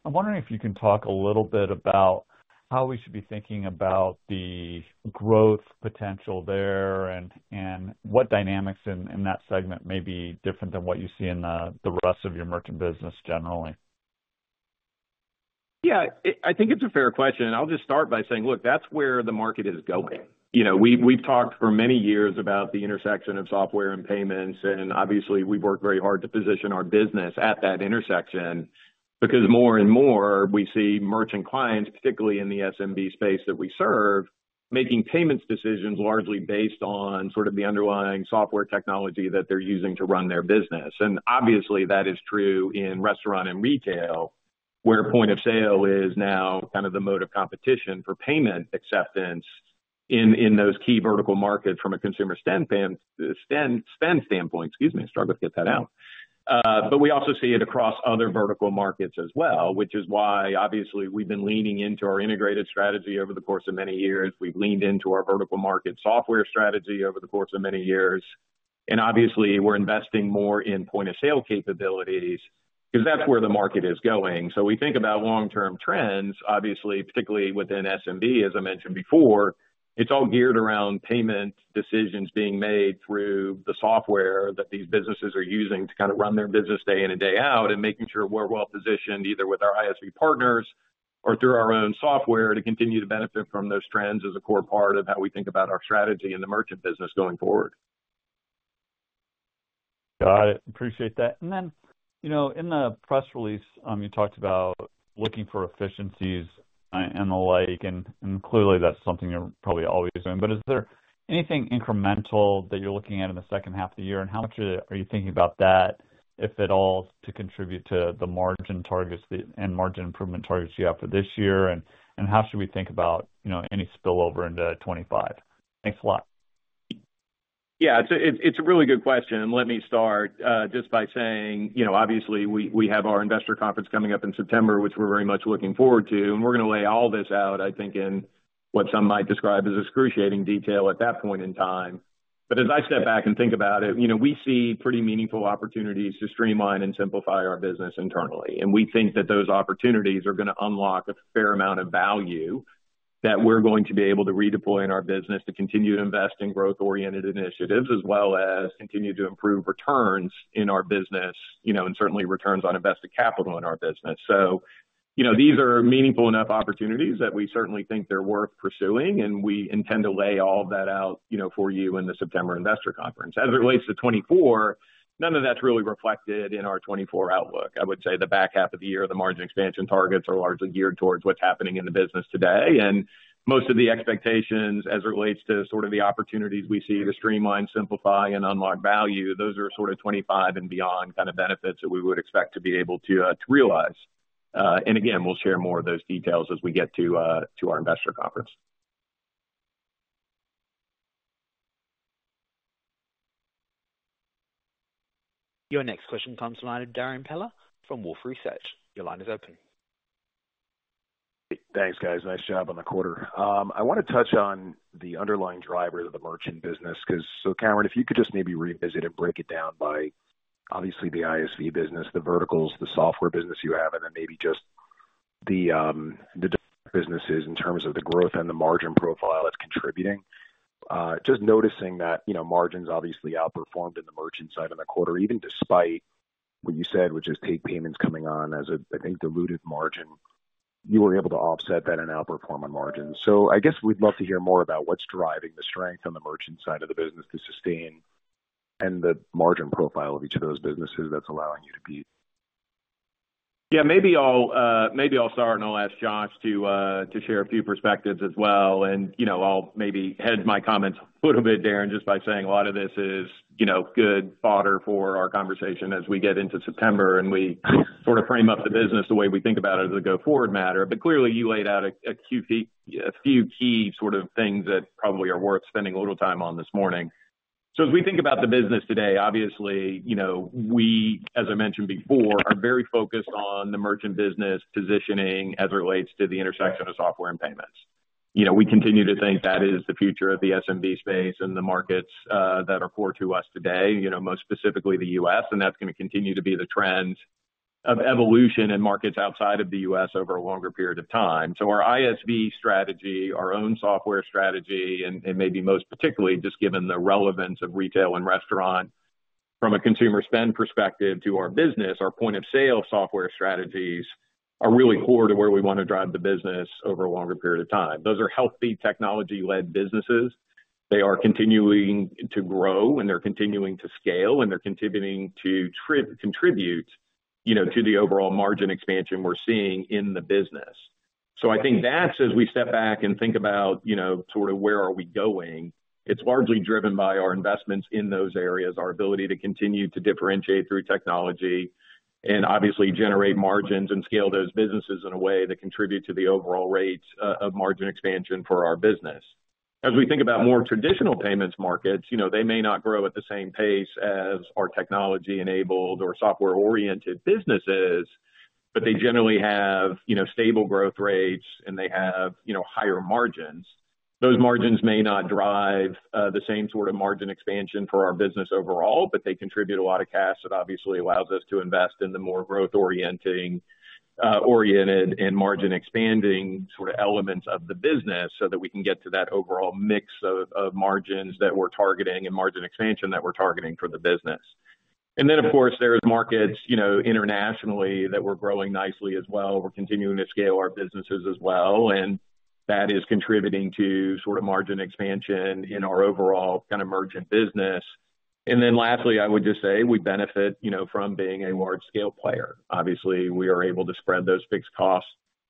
[SPEAKER 7] I'm wondering if you can talk a little bit about how we should be thinking about the growth potential there and what dynamics in that segment may be different than what you see in the rest of your merchant business generally.
[SPEAKER 3] Yeah, I think it's a fair question, and I'll just start by saying: Look, that's where the market is going. You know, we've talked for many years about the intersection of software and payments, and obviously, we've worked very hard to position our business at that intersection. Because more and more, we see merchant clients, particularly in the SMB space that we serve, making payments decisions largely based on sort of the underlying software technology that they're using to run their business. And obviously, that is true in restaurant and retail, where point of sale is now kind of the mode of competition for payment acceptance in those key vertical markets from a consumer spend standpoint, excuse me, struggled to get that out. But we also see it across other vertical markets as well, which is why, obviously, we've been leaning into our integrated strategy over the course of many years. We've leaned into our vertical market software strategy over the course of many years, and obviously, we're investing more in point-of-sale capabilities because that's where the market is going. So we think about long-term trends, obviously, particularly within SMB, as I mentioned before, it's all geared around payment decisions being made through the software that these businesses are using to kind of run their business day in and day out, and making sure we're well positioned, either with our ISV partners or through our own software, to continue to benefit from those trends is a core part of how we think about our strategy in the merchant business going forward.
[SPEAKER 7] Got it. Appreciate that. And then, you know, in the press release, you talked about looking for efficiencies and, and the like, and, and clearly that's something you're probably always doing. But is there anything incremental that you're looking at in the second half of the year, and how much are you thinking about that, if at all, to contribute to the margin targets and margin improvement targets you have for this year? And how should we think about, you know, any spillover into 2025? Thanks a lot.
[SPEAKER 3] Yeah, it's a, it's a really good question, and let me start just by saying, you know, obviously, we, we have our investor conference coming up in September, which we're very much looking forward to, and we're going to lay all this out, I think, in what some might describe as excruciating detail at that point in time. But as I step back and think about it, you know, we see pretty meaningful opportunities to streamline and simplify our business internally. And we think that those opportunities are gonna unlock a fair amount of value that we're going to be able to redeploy in our business to continue to invest in growth-oriented initiatives, as well as continue to improve returns in our business, you know, and certainly returns on invested capital in our business. So, you know, these are meaningful enough opportunities that we certainly think they're worth pursuing, and we intend to lay all of that out, you know, for you in the September investor conference. As it relates to 2024, none of that's really reflected in our 2024 outlook. I would say the back half of the year, the margin expansion targets are largely geared towards what's happening in the business today. And most of the expectations as it relates to sort of the opportunities we see to streamline, simplify, and unlock value, those are sort of 2025 and beyond kind of benefits that we would expect to be able to, to realize. And again, we'll share more of those details as we get to, to our investor conference.
[SPEAKER 1] Your next question comes from the line of Darrin Peller from Wolfe Research. Your line is open.
[SPEAKER 8] Thanks, guys. Nice job on the quarter. I want to touch on the underlying driver of the merchant business, 'cause... So Cameron, if you could just maybe revisit and break it down by obviously the ISV business, the verticals, the software business you have, and then maybe just the businesses in terms of the growth and the margin profile that's contributing. Just noticing that, you know, margins obviously outperformed in the merchant side in the quarter, even despite what you said, which is takepayments coming on as a, I think, diluted margin. You were able to offset that and outperform on margins. So I guess we'd love to hear more about what's driving the strength on the merchant side of the business to sustain and the margin profile of each of those businesses that's allowing you to be.
[SPEAKER 3] Yeah, maybe I'll start, and I'll ask Josh to share a few perspectives as well. You know, I'll maybe head my comments a little bit, Darrin, just by saying a lot of this is good fodder for our conversation as we get into September and we sort of frame up the business the way we think about it as a go-forward matter. But clearly, you laid out a few key sort of things that probably are worth spending a little time on this morning. So as we think about the business today, obviously, you know, we, as I mentioned before, are very focused on the merchant business positioning as it relates to the intersection of software and payments. You know, we continue to think that is the future of the SMB space and the markets that are core to us today, you know, most specifically the U.S., and that's going to continue to be the trend of evolution in markets outside of the U.S. over a longer period of time. So our ISV strategy, our own software strategy, and maybe most particularly, just given the relevance of retail and restaurant from a consumer spend perspective to our business, our point-of-sale software strategies are really core to where we want to drive the business over a longer period of time. Those are healthy, technology-led businesses. They are continuing to grow, and they're continuing to scale, and they're continuing to contribute, you know, to the overall margin expansion we're seeing in the business. So I think that's as we step back and think about, you know, sort of where are we going, it's largely driven by our investments in those areas, our ability to continue to differentiate through technology and obviously generate margins and scale those businesses in a way that contribute to the overall rates, of margin expansion for our business. As we think about more traditional payments markets, you know, they may not grow at the same pace as our technology-enabled or software-oriented businesses, but they generally have, you know, stable growth rates, and they have, you know, higher margins. Those margins may not drive the same sort of margin expansion for our business overall, but they contribute a lot of cash that obviously allows us to invest in the more growth-orienting, oriented and margin-expanding sort of elements of the business, so that we can get to that overall mix of, of margins that we're targeting and margin expansion that we're targeting for the business. And then, of course, there's markets, you know, internationally that we're growing nicely as well. We're continuing to scale our businesses as well, and that is contributing to sort of margin expansion in our overall kind of merchant business. And then lastly, I would just say we benefit, you know, from being a large-scale player. Obviously, we are able to spread those fixed costs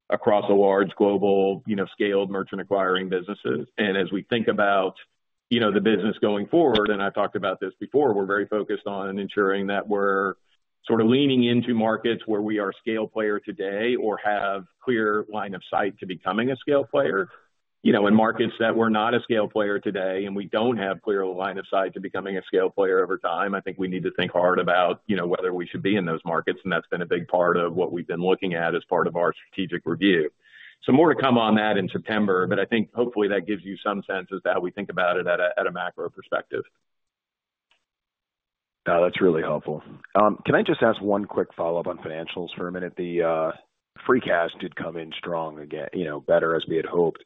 [SPEAKER 3] across a large global, you know, scaled merchant acquiring businesses. As we think about, you know, the business going forward, and I've talked about this before, we're very focused on ensuring that we're sort of leaning into markets where we are a scale player today or have clear line of sight to becoming a scale player. You know, in markets that we're not a scale player today, and we don't have clear line of sight to becoming a scale player over time, I think we need to think hard about, you know, whether we should be in those markets, and that's been a big part of what we've been looking at as part of our strategic review. So more to come on that in September, but I think hopefully that gives you some sense as to how we think about it at a macro perspective.
[SPEAKER 8] That's really helpful. Can I just ask one quick follow-up on financials for a minute? The free cash did come in strong again, you know, better as we had hoped.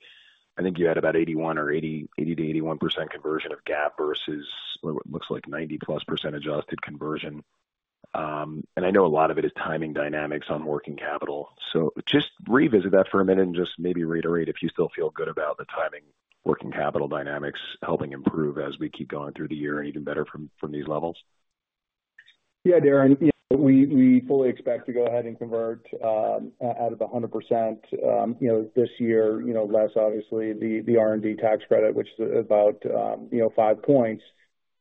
[SPEAKER 8] I think you had about 81 or 80, 80%-81% conversion of GAAP versus what looks like 90%+ adjusted conversion. And I know a lot of it is timing dynamics on working capital, so just revisit that for a minute and just maybe reiterate if you still feel good about the timing, working capital dynamics helping improve as we keep going through the year and even better from these levels.
[SPEAKER 4] Yeah, Darrin, you know, we, we fully expect to go ahead and convert out of the 100%, you know, this year, you know, less obviously the, the R&D tax credit, which is about, you know, five points.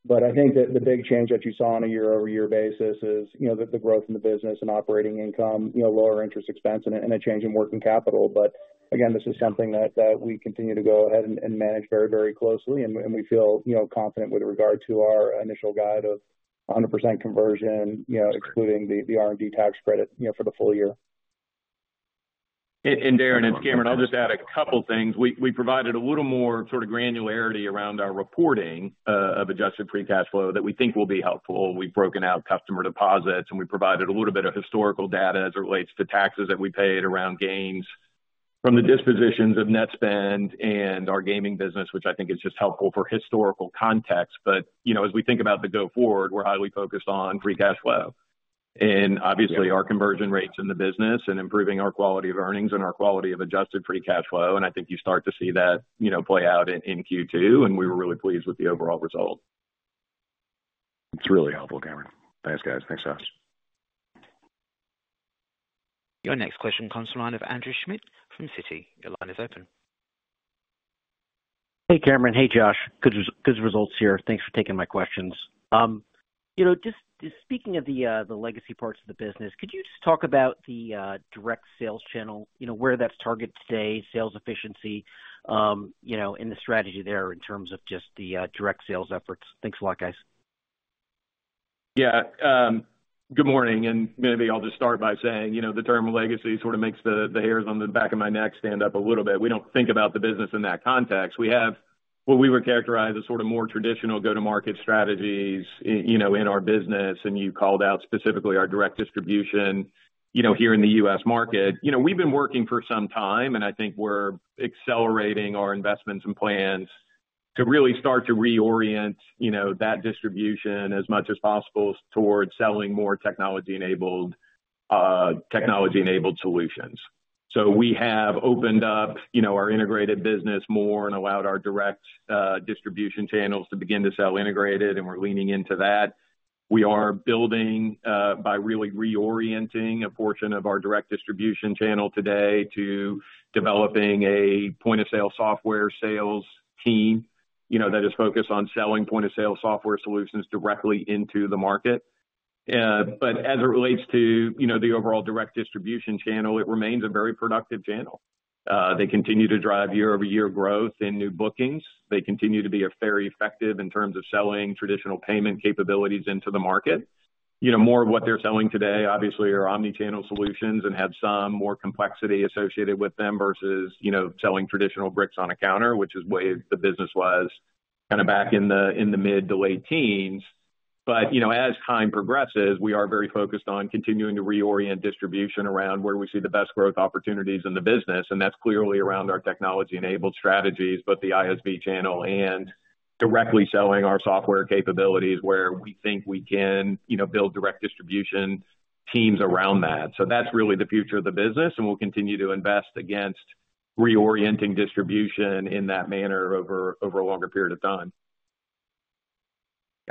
[SPEAKER 4] But I think that the big change that you saw on a year-over-year basis is, you know, the, the growth in the business and operating income, you know, lower interest expense and a, and a change in working capital. But again, this is something that, that we continue to go ahead and, and manage very, very closely, and, and we feel, you know, confident with regard to our initial guide of a 100% conversion, you know, excluding the, the R&D tax credit, you know, for the full year.
[SPEAKER 3] Darrin, it's Cameron. I'll just add a couple things. We provided a little more sort of granularity around our reporting of Adjusted Free Cash Flow that we think will be helpful. We've broken out customer deposits, and we provided a little bit of historical data as it relates to taxes that we paid around gains from the dispositions of Netspend and our gaming business, which I think is just helpful for historical context. But, you know, as we think about the go forward, we're highly focused on free cash flow and obviously our conversion rates in the business and improving our quality of earnings and our quality of Adjusted Free Cash Flow. And I think you start to see that, you know, play out in Q2, and we were really pleased with the overall result.
[SPEAKER 8] It's really helpful, Cameron. Thanks, guys. Thanks, Josh.
[SPEAKER 1] Your next question comes from the line of Andrew Schmidt from Citi. Your line is open.
[SPEAKER 9] Hey, Cameron. Hey, Josh. Good results here. Thanks for taking my questions. You know, just speaking of the legacy parts of the business, could you just talk about the direct sales channel, you know, where that's targeted today, sales efficiency, you know, and the strategy there in terms of just the direct sales efforts? Thanks a lot, guys....
[SPEAKER 3] Yeah, good morning, and maybe I'll just start by saying, you know, the term legacy sort of makes the hairs on the back of my neck stand up a little bit. We don't think about the business in that context. We have what we would characterize as sort of more traditional go-to-market strategies, you know, in our business, and you called out specifically our direct distribution, you know, here in the U.S. market. You know, we've been working for some time, and I think we're accelerating our investments and plans to really start to reorient, you know, that distribution as much as possible towards selling more technology-enabled, technology-enabled solutions. So we have opened up, you know, our integrated business more and allowed our direct distribution channels to begin to sell integrated, and we're leaning into that. We are building by really reorienting a portion of our direct distribution channel today to developing a point-of-sale software sales team, you know, that is focused on selling point-of-sale software solutions directly into the market. But as it relates to, you know, the overall direct distribution channel, it remains a very productive channel. They continue to drive year-over-year growth in new bookings. They continue to be very effective in terms of selling traditional payment capabilities into the market. You know, more of what they're selling today, obviously, are omni-channel solutions and have some more complexity associated with them versus, you know, selling traditional bricks on a counter, which is the way the business was kind of back in the mid to late teens. But, you know, as time progresses, we are very focused on continuing to reorient distribution around where we see the best growth opportunities in the business, and that's clearly around our technology-enabled strategies, both the ISV channel and directly selling our software capabilities, where we think we can, you know, build direct distribution teams around that. So that's really the future of the business, and we'll continue to invest against reorienting distribution in that manner over a longer period of time.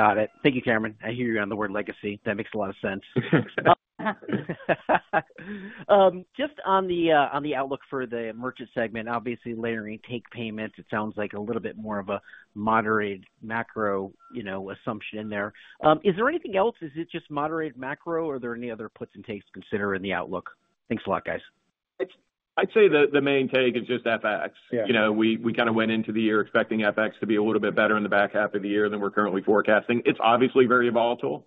[SPEAKER 9] Got it. Thank you, Cameron. I hear you on the word legacy. That makes a lot of sense. Just on the outlook for the merchant segment, obviously, layering takepayments, it sounds like a little bit more of a moderate macro, you know, assumption in there. Is there anything else? Is it just moderate macro, or are there any other puts and takes to consider in the outlook? Thanks a lot, guys.
[SPEAKER 3] It's. I'd say the main take is just FX.
[SPEAKER 9] Yeah.
[SPEAKER 3] You know, we kind of went into the year expecting FX to be a little bit better in the back half of the year than we're currently forecasting. It's obviously very volatile,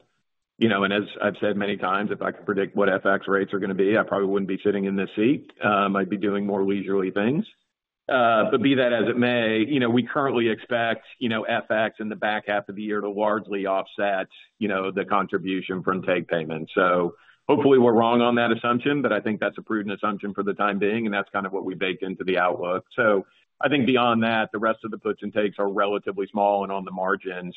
[SPEAKER 3] you know, and as I've said many times, if I could predict what FX rates are going to be, I probably wouldn't be sitting in this seat. I'd be doing more leisurely things. But be that as it may, you know, we currently expect, you know, FX in the back half of the year to largely offset, you know, the contribution from takepayments. So hopefully, we're wrong on that assumption, but I think that's a prudent assumption for the time being, and that's kind of what we baked into the outlook. So I think beyond that, the rest of the puts and takes are relatively small and on the margin.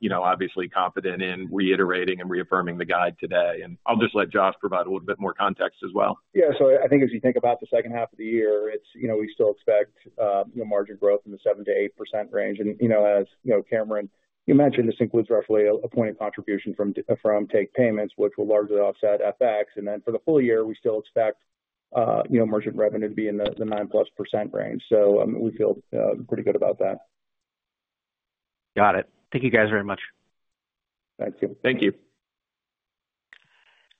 [SPEAKER 3] You know, obviously confident in reiterating and reaffirming the guide today, and I'll just let Josh provide a little bit more context as well.
[SPEAKER 4] Yeah. So I think as you think about the second half of the year, it's, you know, we still expect, you know, margin growth in the 7%-8% range. And, you know, as, you know, Cameron, you mentioned, this includes roughly a point of contribution from takepayments, which will largely offset FX. And then for the full year, we still expect, you know, merchant revenue to be in the 9%+ range. So, we feel pretty good about that.
[SPEAKER 9] Got it. Thank you, guys, very much.
[SPEAKER 4] Thank you.
[SPEAKER 3] Thank you.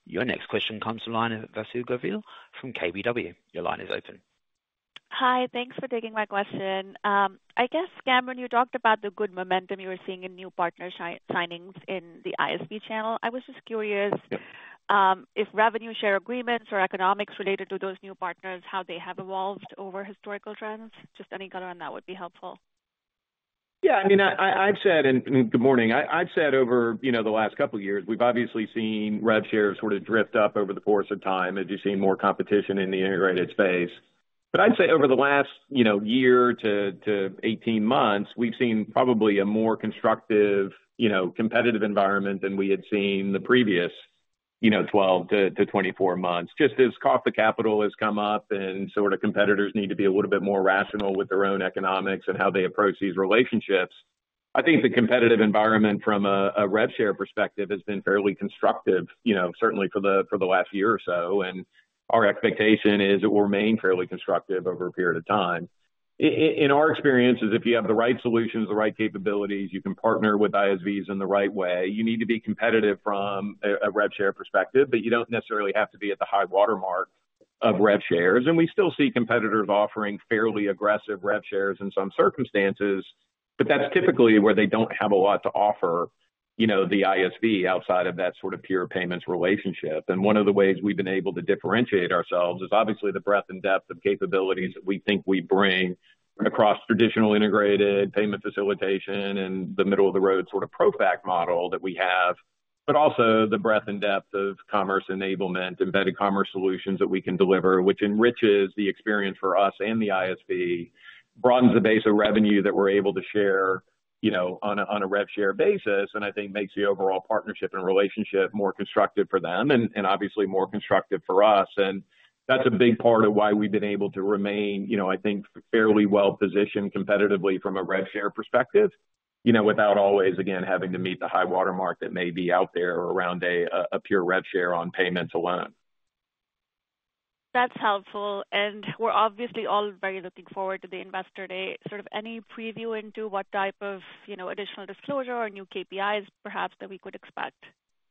[SPEAKER 1] Your next question comes from the line of Vasu Govil from KBW. Your line is open.
[SPEAKER 10] Hi, thanks for taking my question. I guess, Cameron, you talked about the good momentum you were seeing in new partnership signings in the ISV channel. I was just curious-
[SPEAKER 3] Yeah.
[SPEAKER 10] If revenue share agreements or economics related to those new partners, how they have evolved over historical trends? Just any color on that would be helpful.
[SPEAKER 3] Yeah, I mean, I've said in... Good morning. I've said over, you know, the last couple of years, we've obviously seen rev share sort of drift up over the course of time as you've seen more competition in the integrated space. But I'd say over the last, you know, year to 18 months, we've seen probably a more constructive, you know, competitive environment than we had seen the previous, you know, 12-24 months. Just as cost of capital has come up and sort of competitors need to be a little bit more rational with their own economics and how they approach these relationships. I think the competitive environment from a rev share perspective has been fairly constructive, you know, certainly for the last year or so, and our expectation is it will remain fairly constructive over a period of time. In our experiences, if you have the right solutions, the right capabilities, you can partner with ISVs in the right way, you need to be competitive from a, a rev share perspective, but you don't necessarily have to be at the high watermark of rev shares. And we still see competitors offering fairly aggressive rev shares in some circumstances, but that's typically where they don't have a lot to offer, you know, the ISV outside of that sort of pure payments relationship. And one of the ways we've been able to differentiate ourselves is obviously the breadth and depth of capabilities that we think we bring across traditional integrated payment facilitation and the middle-of-the-road sort of ProFac model that we have. But also the breadth and depth of commerce enablement, embedded commerce solutions that we can deliver, which enriches the experience for us and the ISV, broadens the base of revenue that we're able to share, you know, on a, on a rev share basis, and I think makes the overall partnership and relationship more constructive for them and, and obviously more constructive for us. And that's a big part of why we've been able to remain, you know, I think, fairly well-positioned competitively from a rev share perspective, you know, without always, again, having to meet the high watermark that may be out there around a, a pure rev share on payments alone.
[SPEAKER 10] That's helpful, and we're obviously all very looking forward to the Investor Day. Sort of any preview into what type of, you know, additional disclosure or new KPIs perhaps, that we could expect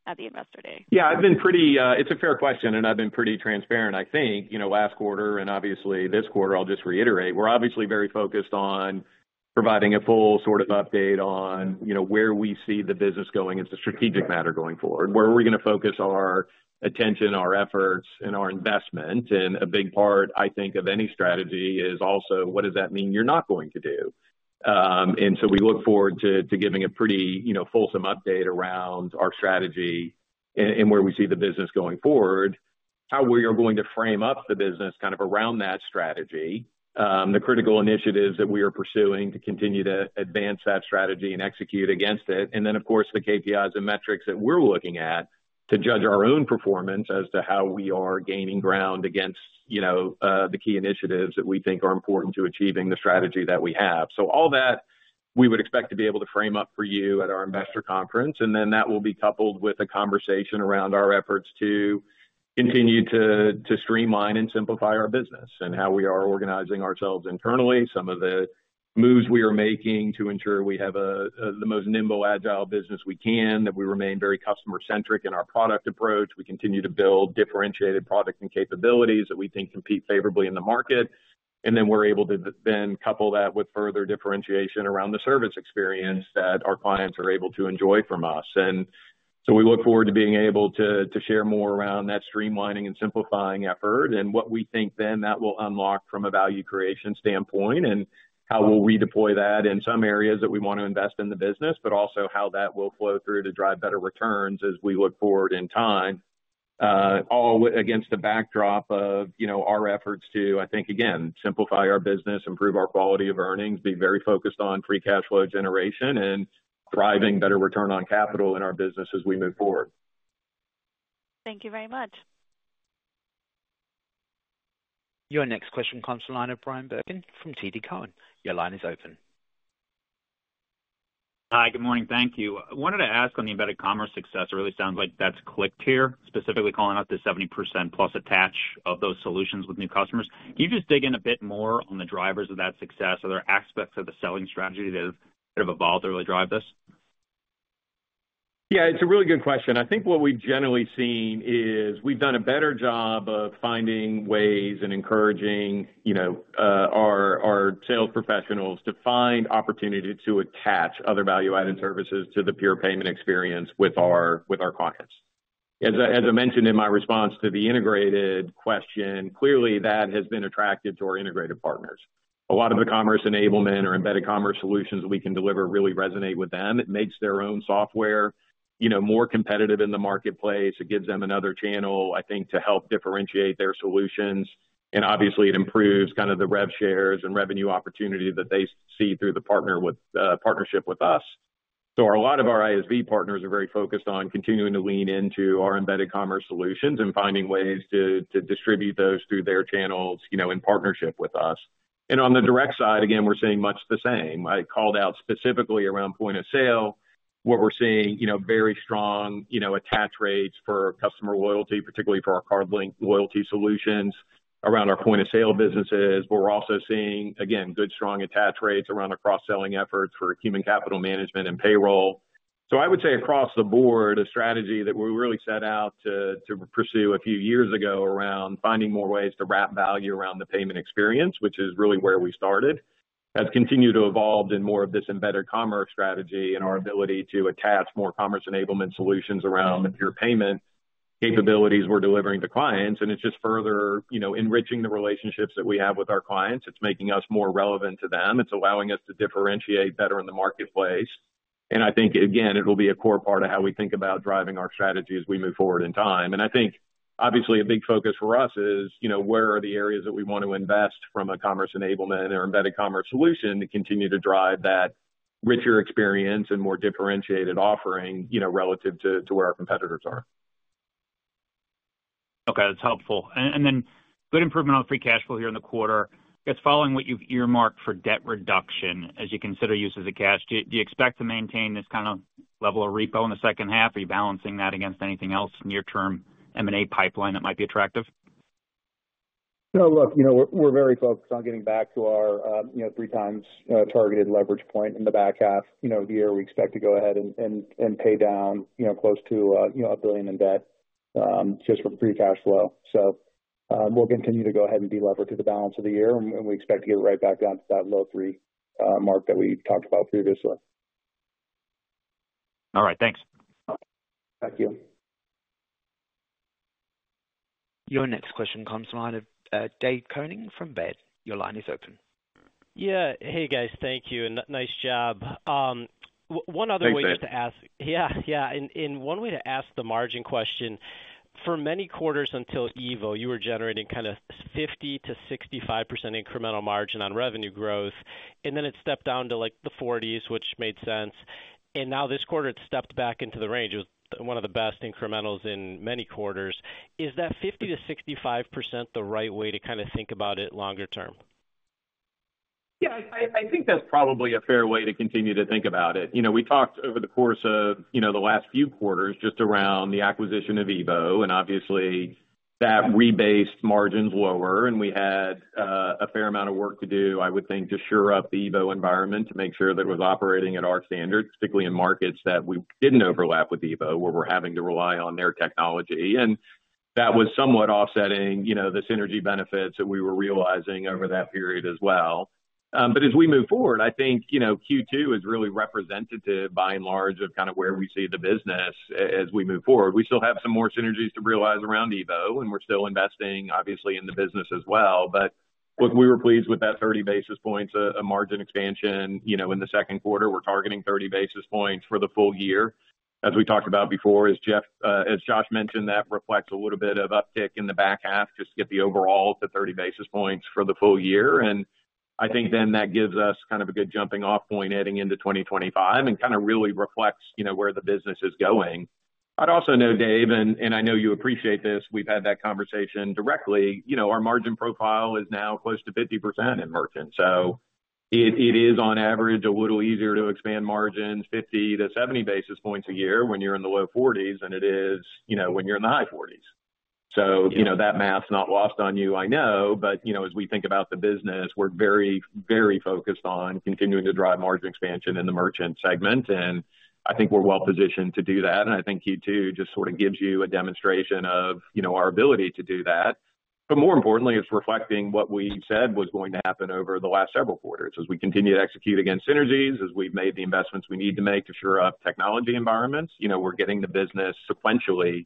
[SPEAKER 10] at the Investor Day?
[SPEAKER 3] Yeah, I've been pretty. It's a fair question, and I've been pretty transparent. I think, you know, last quarter and obviously this quarter, I'll just reiterate, we're obviously very focused on providing a full sort of update on, you know, where we see the business going as a strategic matter going forward. Where are we going to focus our attention, our efforts, and our investment? And a big part, I think, of any strategy is also what does that mean you're not going to do? And so we look forward to giving a pretty, you know, fulsome update around our strategy and where we see the business going forward, how we are going to frame up the business kind of around that strategy, the critical initiatives that we are pursuing to continue to advance that strategy and execute against it. Then, of course, the KPIs and metrics that we're looking at to judge our own performance as to how we are gaining ground against, you know, the key initiatives that we think are important to achieving the strategy that we have. So all that, we would expect to be able to frame up for you at our investor conference, and then that will be coupled with a conversation around our efforts to continue to streamline and simplify our business and how we are organizing ourselves internally. Some of the moves we are making to ensure we have the most nimble, agile business we can, that we remain very customer-centric in our product approach. We continue to build differentiated products and capabilities that we think compete favorably in the market. And then we're able to then couple that with further differentiation around the service experience that our clients are able to enjoy from us. And so we look forward to being able to share more around that streamlining and simplifying effort and what we think then that will unlock from a value creation standpoint, and how we'll redeploy that in some areas that we want to invest in the business, but also how that will flow through to drive better returns as we look forward in time. All against the backdrop of, you know, our efforts to, I think, again, simplify our business, improve our quality of earnings, be very focused on free cash flow generation, and driving better return on capital in our business as we move forward.
[SPEAKER 10] Thank you very much.
[SPEAKER 1] Your next question comes from the line of Bryan Bergin from TD Cowen. Your line is open.
[SPEAKER 11] Hi, good morning. Thank you. I wanted to ask on the embedded commerce success, it really sounds like that's clicked here, specifically calling out the 70%+ attach of those solutions with new customers. Can you just dig in a bit more on the drivers of that success? Are there aspects of the selling strategy that have evolved to really drive this?
[SPEAKER 3] Yeah, it's a really good question. I think what we've generally seen is we've done a better job of finding ways and encouraging, you know, our, our sales professionals to find opportunity to attach other value-added services to the pure payment experience with our, with our clients. As I, as I mentioned in my response to the integrated question, clearly that has been attractive to our integrated partners. A lot of the commerce enablement or embedded commerce solutions we can deliver really resonate with them. It makes their own software, you know, more competitive in the marketplace. It gives them another channel, I think, to help differentiate their solutions. And obviously, it improves kind of the rev shares and revenue opportunity that they see through the partner with, partnership with us. So a lot of our ISV partners are very focused on continuing to lean into our embedded commerce solutions and finding ways to distribute those through their channels, you know, in partnership with us. On the direct side, again, we're seeing much the same. I called out specifically around point-of-sale, what we're seeing, you know, very strong, you know, attach rates for customer loyalty, particularly for our card-linked loyalty solutions around our point-of-sale businesses. But we're also seeing, again, good, strong attach rates around our cross-selling efforts for human capital management and payroll. So I would say, across the board, a strategy that we really set out to, to pursue a few years ago around finding more ways to wrap value around the payment experience, which is really where we started, has continued to evolve in more of this embedded commerce strategy and our ability to attach more commerce enablement solutions around the pure payment capabilities we're delivering to clients. And it's just further, you know, enriching the relationships that we have with our clients. It's making us more relevant to them. It's allowing us to differentiate better in the marketplace. And I think, again, it'll be a core part of how we think about driving our strategy as we move forward in time. I think, obviously, a big focus for us is, you know, where are the areas that we want to invest from a commerce enablement or embedded commerce solution to continue to drive that richer experience and more differentiated offering, you know, relative to, to where our competitors are.
[SPEAKER 11] Okay, that's helpful. And then good improvement on free cash flow here in the quarter. I guess, following what you've earmarked for debt reduction as you consider uses of cash, do you, do you expect to maintain this kind of level of repo in the second half? Are you balancing that against anything else in near-term M&A pipeline that might be attractive?
[SPEAKER 4] No, look, you know, we're very focused on getting back to our 3x targeted leverage point in the back half of the year. We expect to go ahead and pay down you know close to $1 billion in debt just from free cash flow. So, we'll continue to go ahead and delever through the balance of the year, and we expect to get right back down to that low 3x mark that we talked about previously.
[SPEAKER 11] All right. Thanks.
[SPEAKER 4] Thank you.
[SPEAKER 1] Your next question comes from the line of Dave Koning from Baird. Your line is open.
[SPEAKER 12] Yeah. Hey, guys. Thank you, and nice job. One other way to ask-
[SPEAKER 3] Thanks, Dave.
[SPEAKER 12] Yeah, yeah. And, and one way to ask the margin question: for many quarters until EVO, you were generating kind of 50%-65% incremental margin on revenue growth, and then it stepped down to, like, the 40s, which made sense. And now this quarter, it's stepped back into the range. It was one of the best incrementals in many quarters. Is that 50%-65% the right way to kind of think about it longer term?
[SPEAKER 3] Yeah, I think that's probably a fair way to continue to think about it. You know, we talked over the course of, you know, the last few quarters just around the acquisition of EVO, and obviously that rebased margins lower, and we had a fair amount of work to do, I would think, to shore up the EVO environment, to make sure that it was operating at our standards, particularly in markets that we didn't overlap with EVO, where we're having to rely on their technology. And that was somewhat offsetting, you know, the synergy benefits that we were realizing over that period as well. But as we move forward, I think, you know, Q2 is really representative, by and large, of kind of where we see the business as we move forward. We still have some more synergies to realize around EVO, and we're still investing, obviously, in the business as well. But look, we were pleased with that 30 basis points of margin expansion, you know, in the second quarter. We're targeting 30 basis points for the full year. As we talked about before, as Jeff, as Josh mentioned, that reflects a little bit of uptick in the back half just to get the overall to 30 basis points for the full year. And I think then that gives us kind of a good jumping off point heading into 2025 and kind of really reflects, you know, where the business is going. I'd also note, Dave, and I know you appreciate this, we've had that conversation directly, you know, our margin profile is now close to 50% in merchant. So it is on average a little easier to expand margins 50-70 basis points a year when you're in the low 40s than it is, you know, when you're in the high 40s. So, you know, that math's not lost on you, I know. But, you know, as we think about the business, we're very, very focused on continuing to drive margin expansion in the merchant segment, and I think we're well positioned to do that. And I think Q2 just sort of gives you a demonstration of, you know, our ability to do that. But more importantly, it's reflecting what we said was going to happen over the last several quarters. As we continue to execute against synergies, as we've made the investments we need to make to shore up technology environments, you know, we're getting the business sequentially,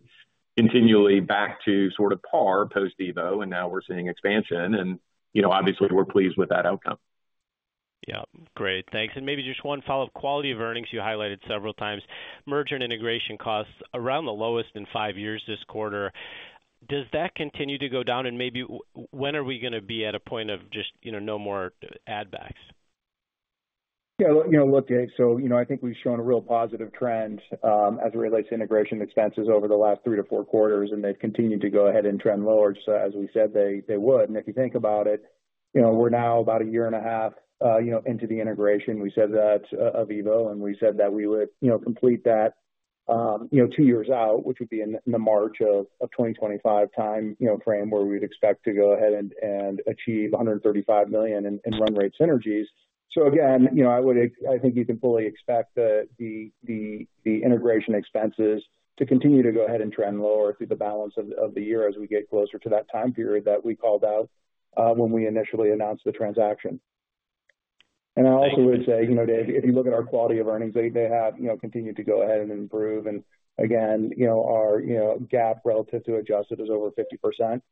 [SPEAKER 3] continually back to sort of par post-EVO, and now we're seeing expansion. And, you know, obviously, we're pleased with that outcome.
[SPEAKER 12] Yeah. Great, thanks. And maybe just one follow-up. Quality of earnings, you highlighted several times. Merchant integration costs around the lowest in five years this quarter. Does that continue to go down? And maybe when are we gonna be at a point of just, you know, no more add backs?
[SPEAKER 4] Yeah, you know, look, Dave, so, you know, I think we've shown a real positive trend, as it relates to integration expenses over the last 3-4 quarters, and they've continued to go ahead and trend lower, so as we said, they would. And if you think about it, you know, we're now about a year and a half, you know, into the integration of EVO, and we said that we would, you know, complete that, you know, two years out, which would be in the March of 2025 time frame, you know, where we'd expect to go ahead and achieve $135 million in run rate synergies. So again, you know, I would—I think you can fully expect the integration expenses to continue to go ahead and trend lower through the balance of the year as we get closer to that time period that we called out, when we initially announced the transaction. And I also would say, you know, Dave, if you look at our quality of earnings, they have, you know, continued to go ahead and improve. And again, you know, our GAAP relative to adjusted is over 50%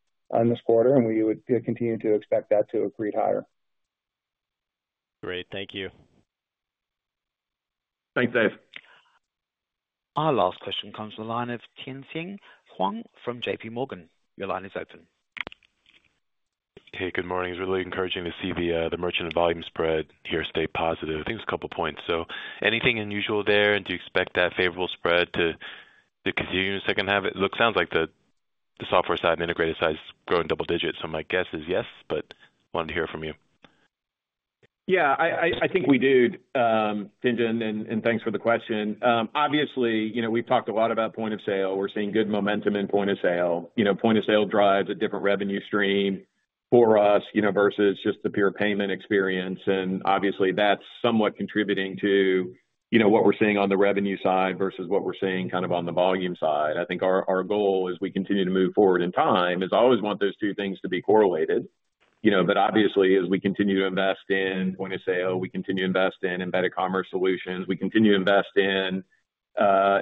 [SPEAKER 4] in this quarter, and we would continue to expect that to increase higher.
[SPEAKER 12] Great. Thank you.
[SPEAKER 3] Thanks, Dave.
[SPEAKER 1] Our last question comes from the line of Tien-tsin Huang from JPMorgan. Your line is open.
[SPEAKER 13] Hey, good morning. It's really encouraging to see the merchant and volume spread here stay positive. I think it's a couple points. So anything unusual there? And do you expect that favorable spread to continue in the second half? It sounds like the software side and integrated side is growing double digits. So my guess is yes, but wanted to hear from you.
[SPEAKER 3] Yeah, I think we do, Tien-tsin, and thanks for the question. Obviously, you know, we've talked a lot about point of sale. We're seeing good momentum in point of sale. You know, point of sale drives a different revenue stream for us, you know, versus just the pure payment experience. And obviously, that's somewhat contributing to, you know, what we're seeing on the revenue side versus what we're seeing kind of on the volume side. I think our goal as we continue to move forward in time is always want those two things to be correlated. You know, but obviously, as we continue to invest in point of sale, we continue to invest in embedded commerce solutions, we continue to invest in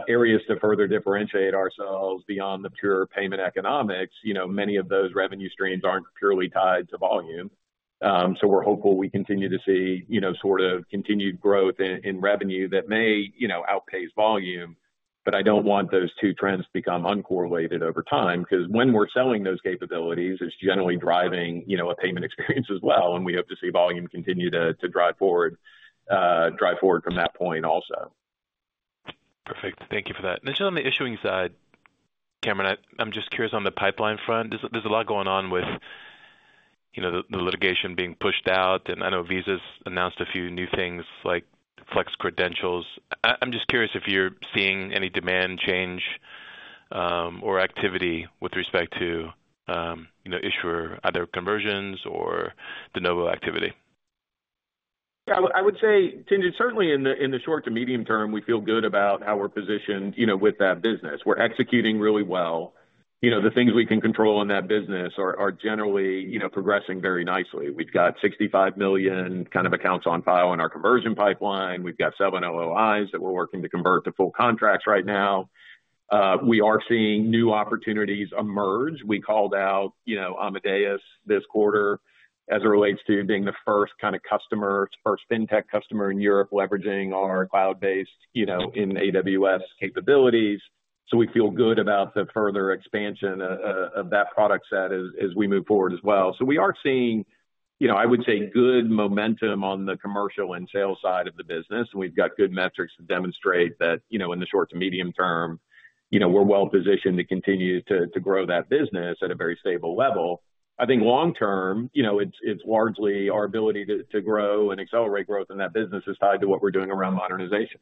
[SPEAKER 3] areas to further differentiate ourselves beyond the pure payment economics, you know, many of those revenue streams aren't purely tied to volume. So we're hopeful we continue to see, you know, sort of continued growth in revenue that may, you know, outpace volume. But I don't want those two trends to become uncorrelated over time, because when we're selling those capabilities, it's generally driving, you know, a payment experience as well, and we hope to see volume continue to drive forward from that point also.
[SPEAKER 13] Perfect. Thank you for that. And just on the issuing side, Cameron, I'm just curious on the pipeline front. There's a lot going on with, you know, the litigation being pushed out, and I know Visa's announced a few new things like Flex Credentials. I'm just curious if you're seeing any demand change, or activity with respect to, you know, issuer, either conversions or de novo activity.
[SPEAKER 3] Yeah, I would, I would say, Tien-tsin, certainly in the, in the short to medium term, we feel good about how we're positioned, you know, with that business. We're executing really well. You know, the things we can control in that business are, are generally, you know, progressing very nicely. We've got 65 million kind of accounts on file in our conversion pipeline. We've got seven LOIs that we're working to convert to full contracts right now. We are seeing new opportunities emerge. We called out, you know, Amadeus this quarter as it relates to being the first kind of customer, first fintech customer in Europe, leveraging our cloud-based, you know, in AWS capabilities. So we feel good about the further expansion of that product set as, as we move forward as well. So we are seeing, you know, I would say, good momentum on the commercial and sales side of the business. We've got good metrics to demonstrate that, you know, in the short to medium term, you know, we're well positioned to continue to grow that business at a very stable level. I think long term, you know, it's largely our ability to grow and accelerate growth in that business is tied to what we're doing around modernization.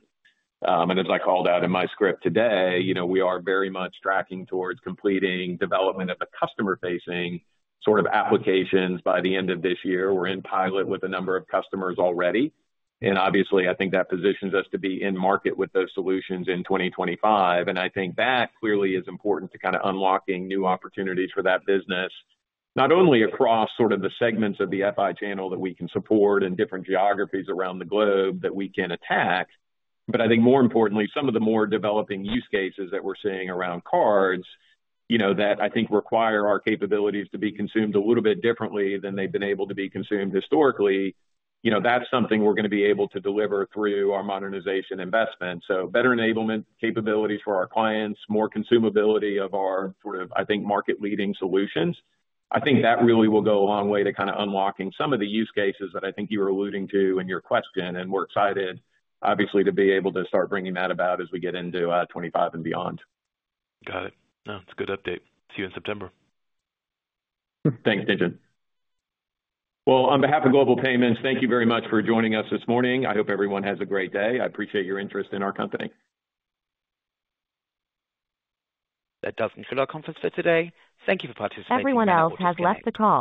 [SPEAKER 3] And as I called out in my script today, you know, we are very much tracking towards completing development of the customer-facing sort of applications by the end of this year. We're in pilot with a number of customers already, and obviously, I think that positions us to be in market with those solutions in 2025. I think that clearly is important to kind of unlocking new opportunities for that business, not only across sort of the segments of the FI channel that we can support and different geographies around the globe that we can attack, but I think more importantly, some of the more developing use cases that we're seeing around cards, you know, that I think require our capabilities to be consumed a little bit differently than they've been able to be consumed historically. You know, that's something we're gonna be able to deliver through our modernization investment. So better enablement capabilities for our clients, more consumability of our sort of, I think, market-leading solutions. I think that really will go a long way to kinda unlocking some of the use cases that I think you were alluding to in your question. We're excited, obviously, to be able to start bringing that about as we get into 2025 and beyond.
[SPEAKER 13] Got it. No, it's a good update. See you in September.
[SPEAKER 3] Thanks, Tien-tsin. Well, on behalf of Global Payments, thank you very much for joining us this morning. I hope everyone has a great day. I appreciate your interest in our company.
[SPEAKER 1] That does conclude our conference for today. Thank you for participating and you may disconnect. Everyone else has left the call.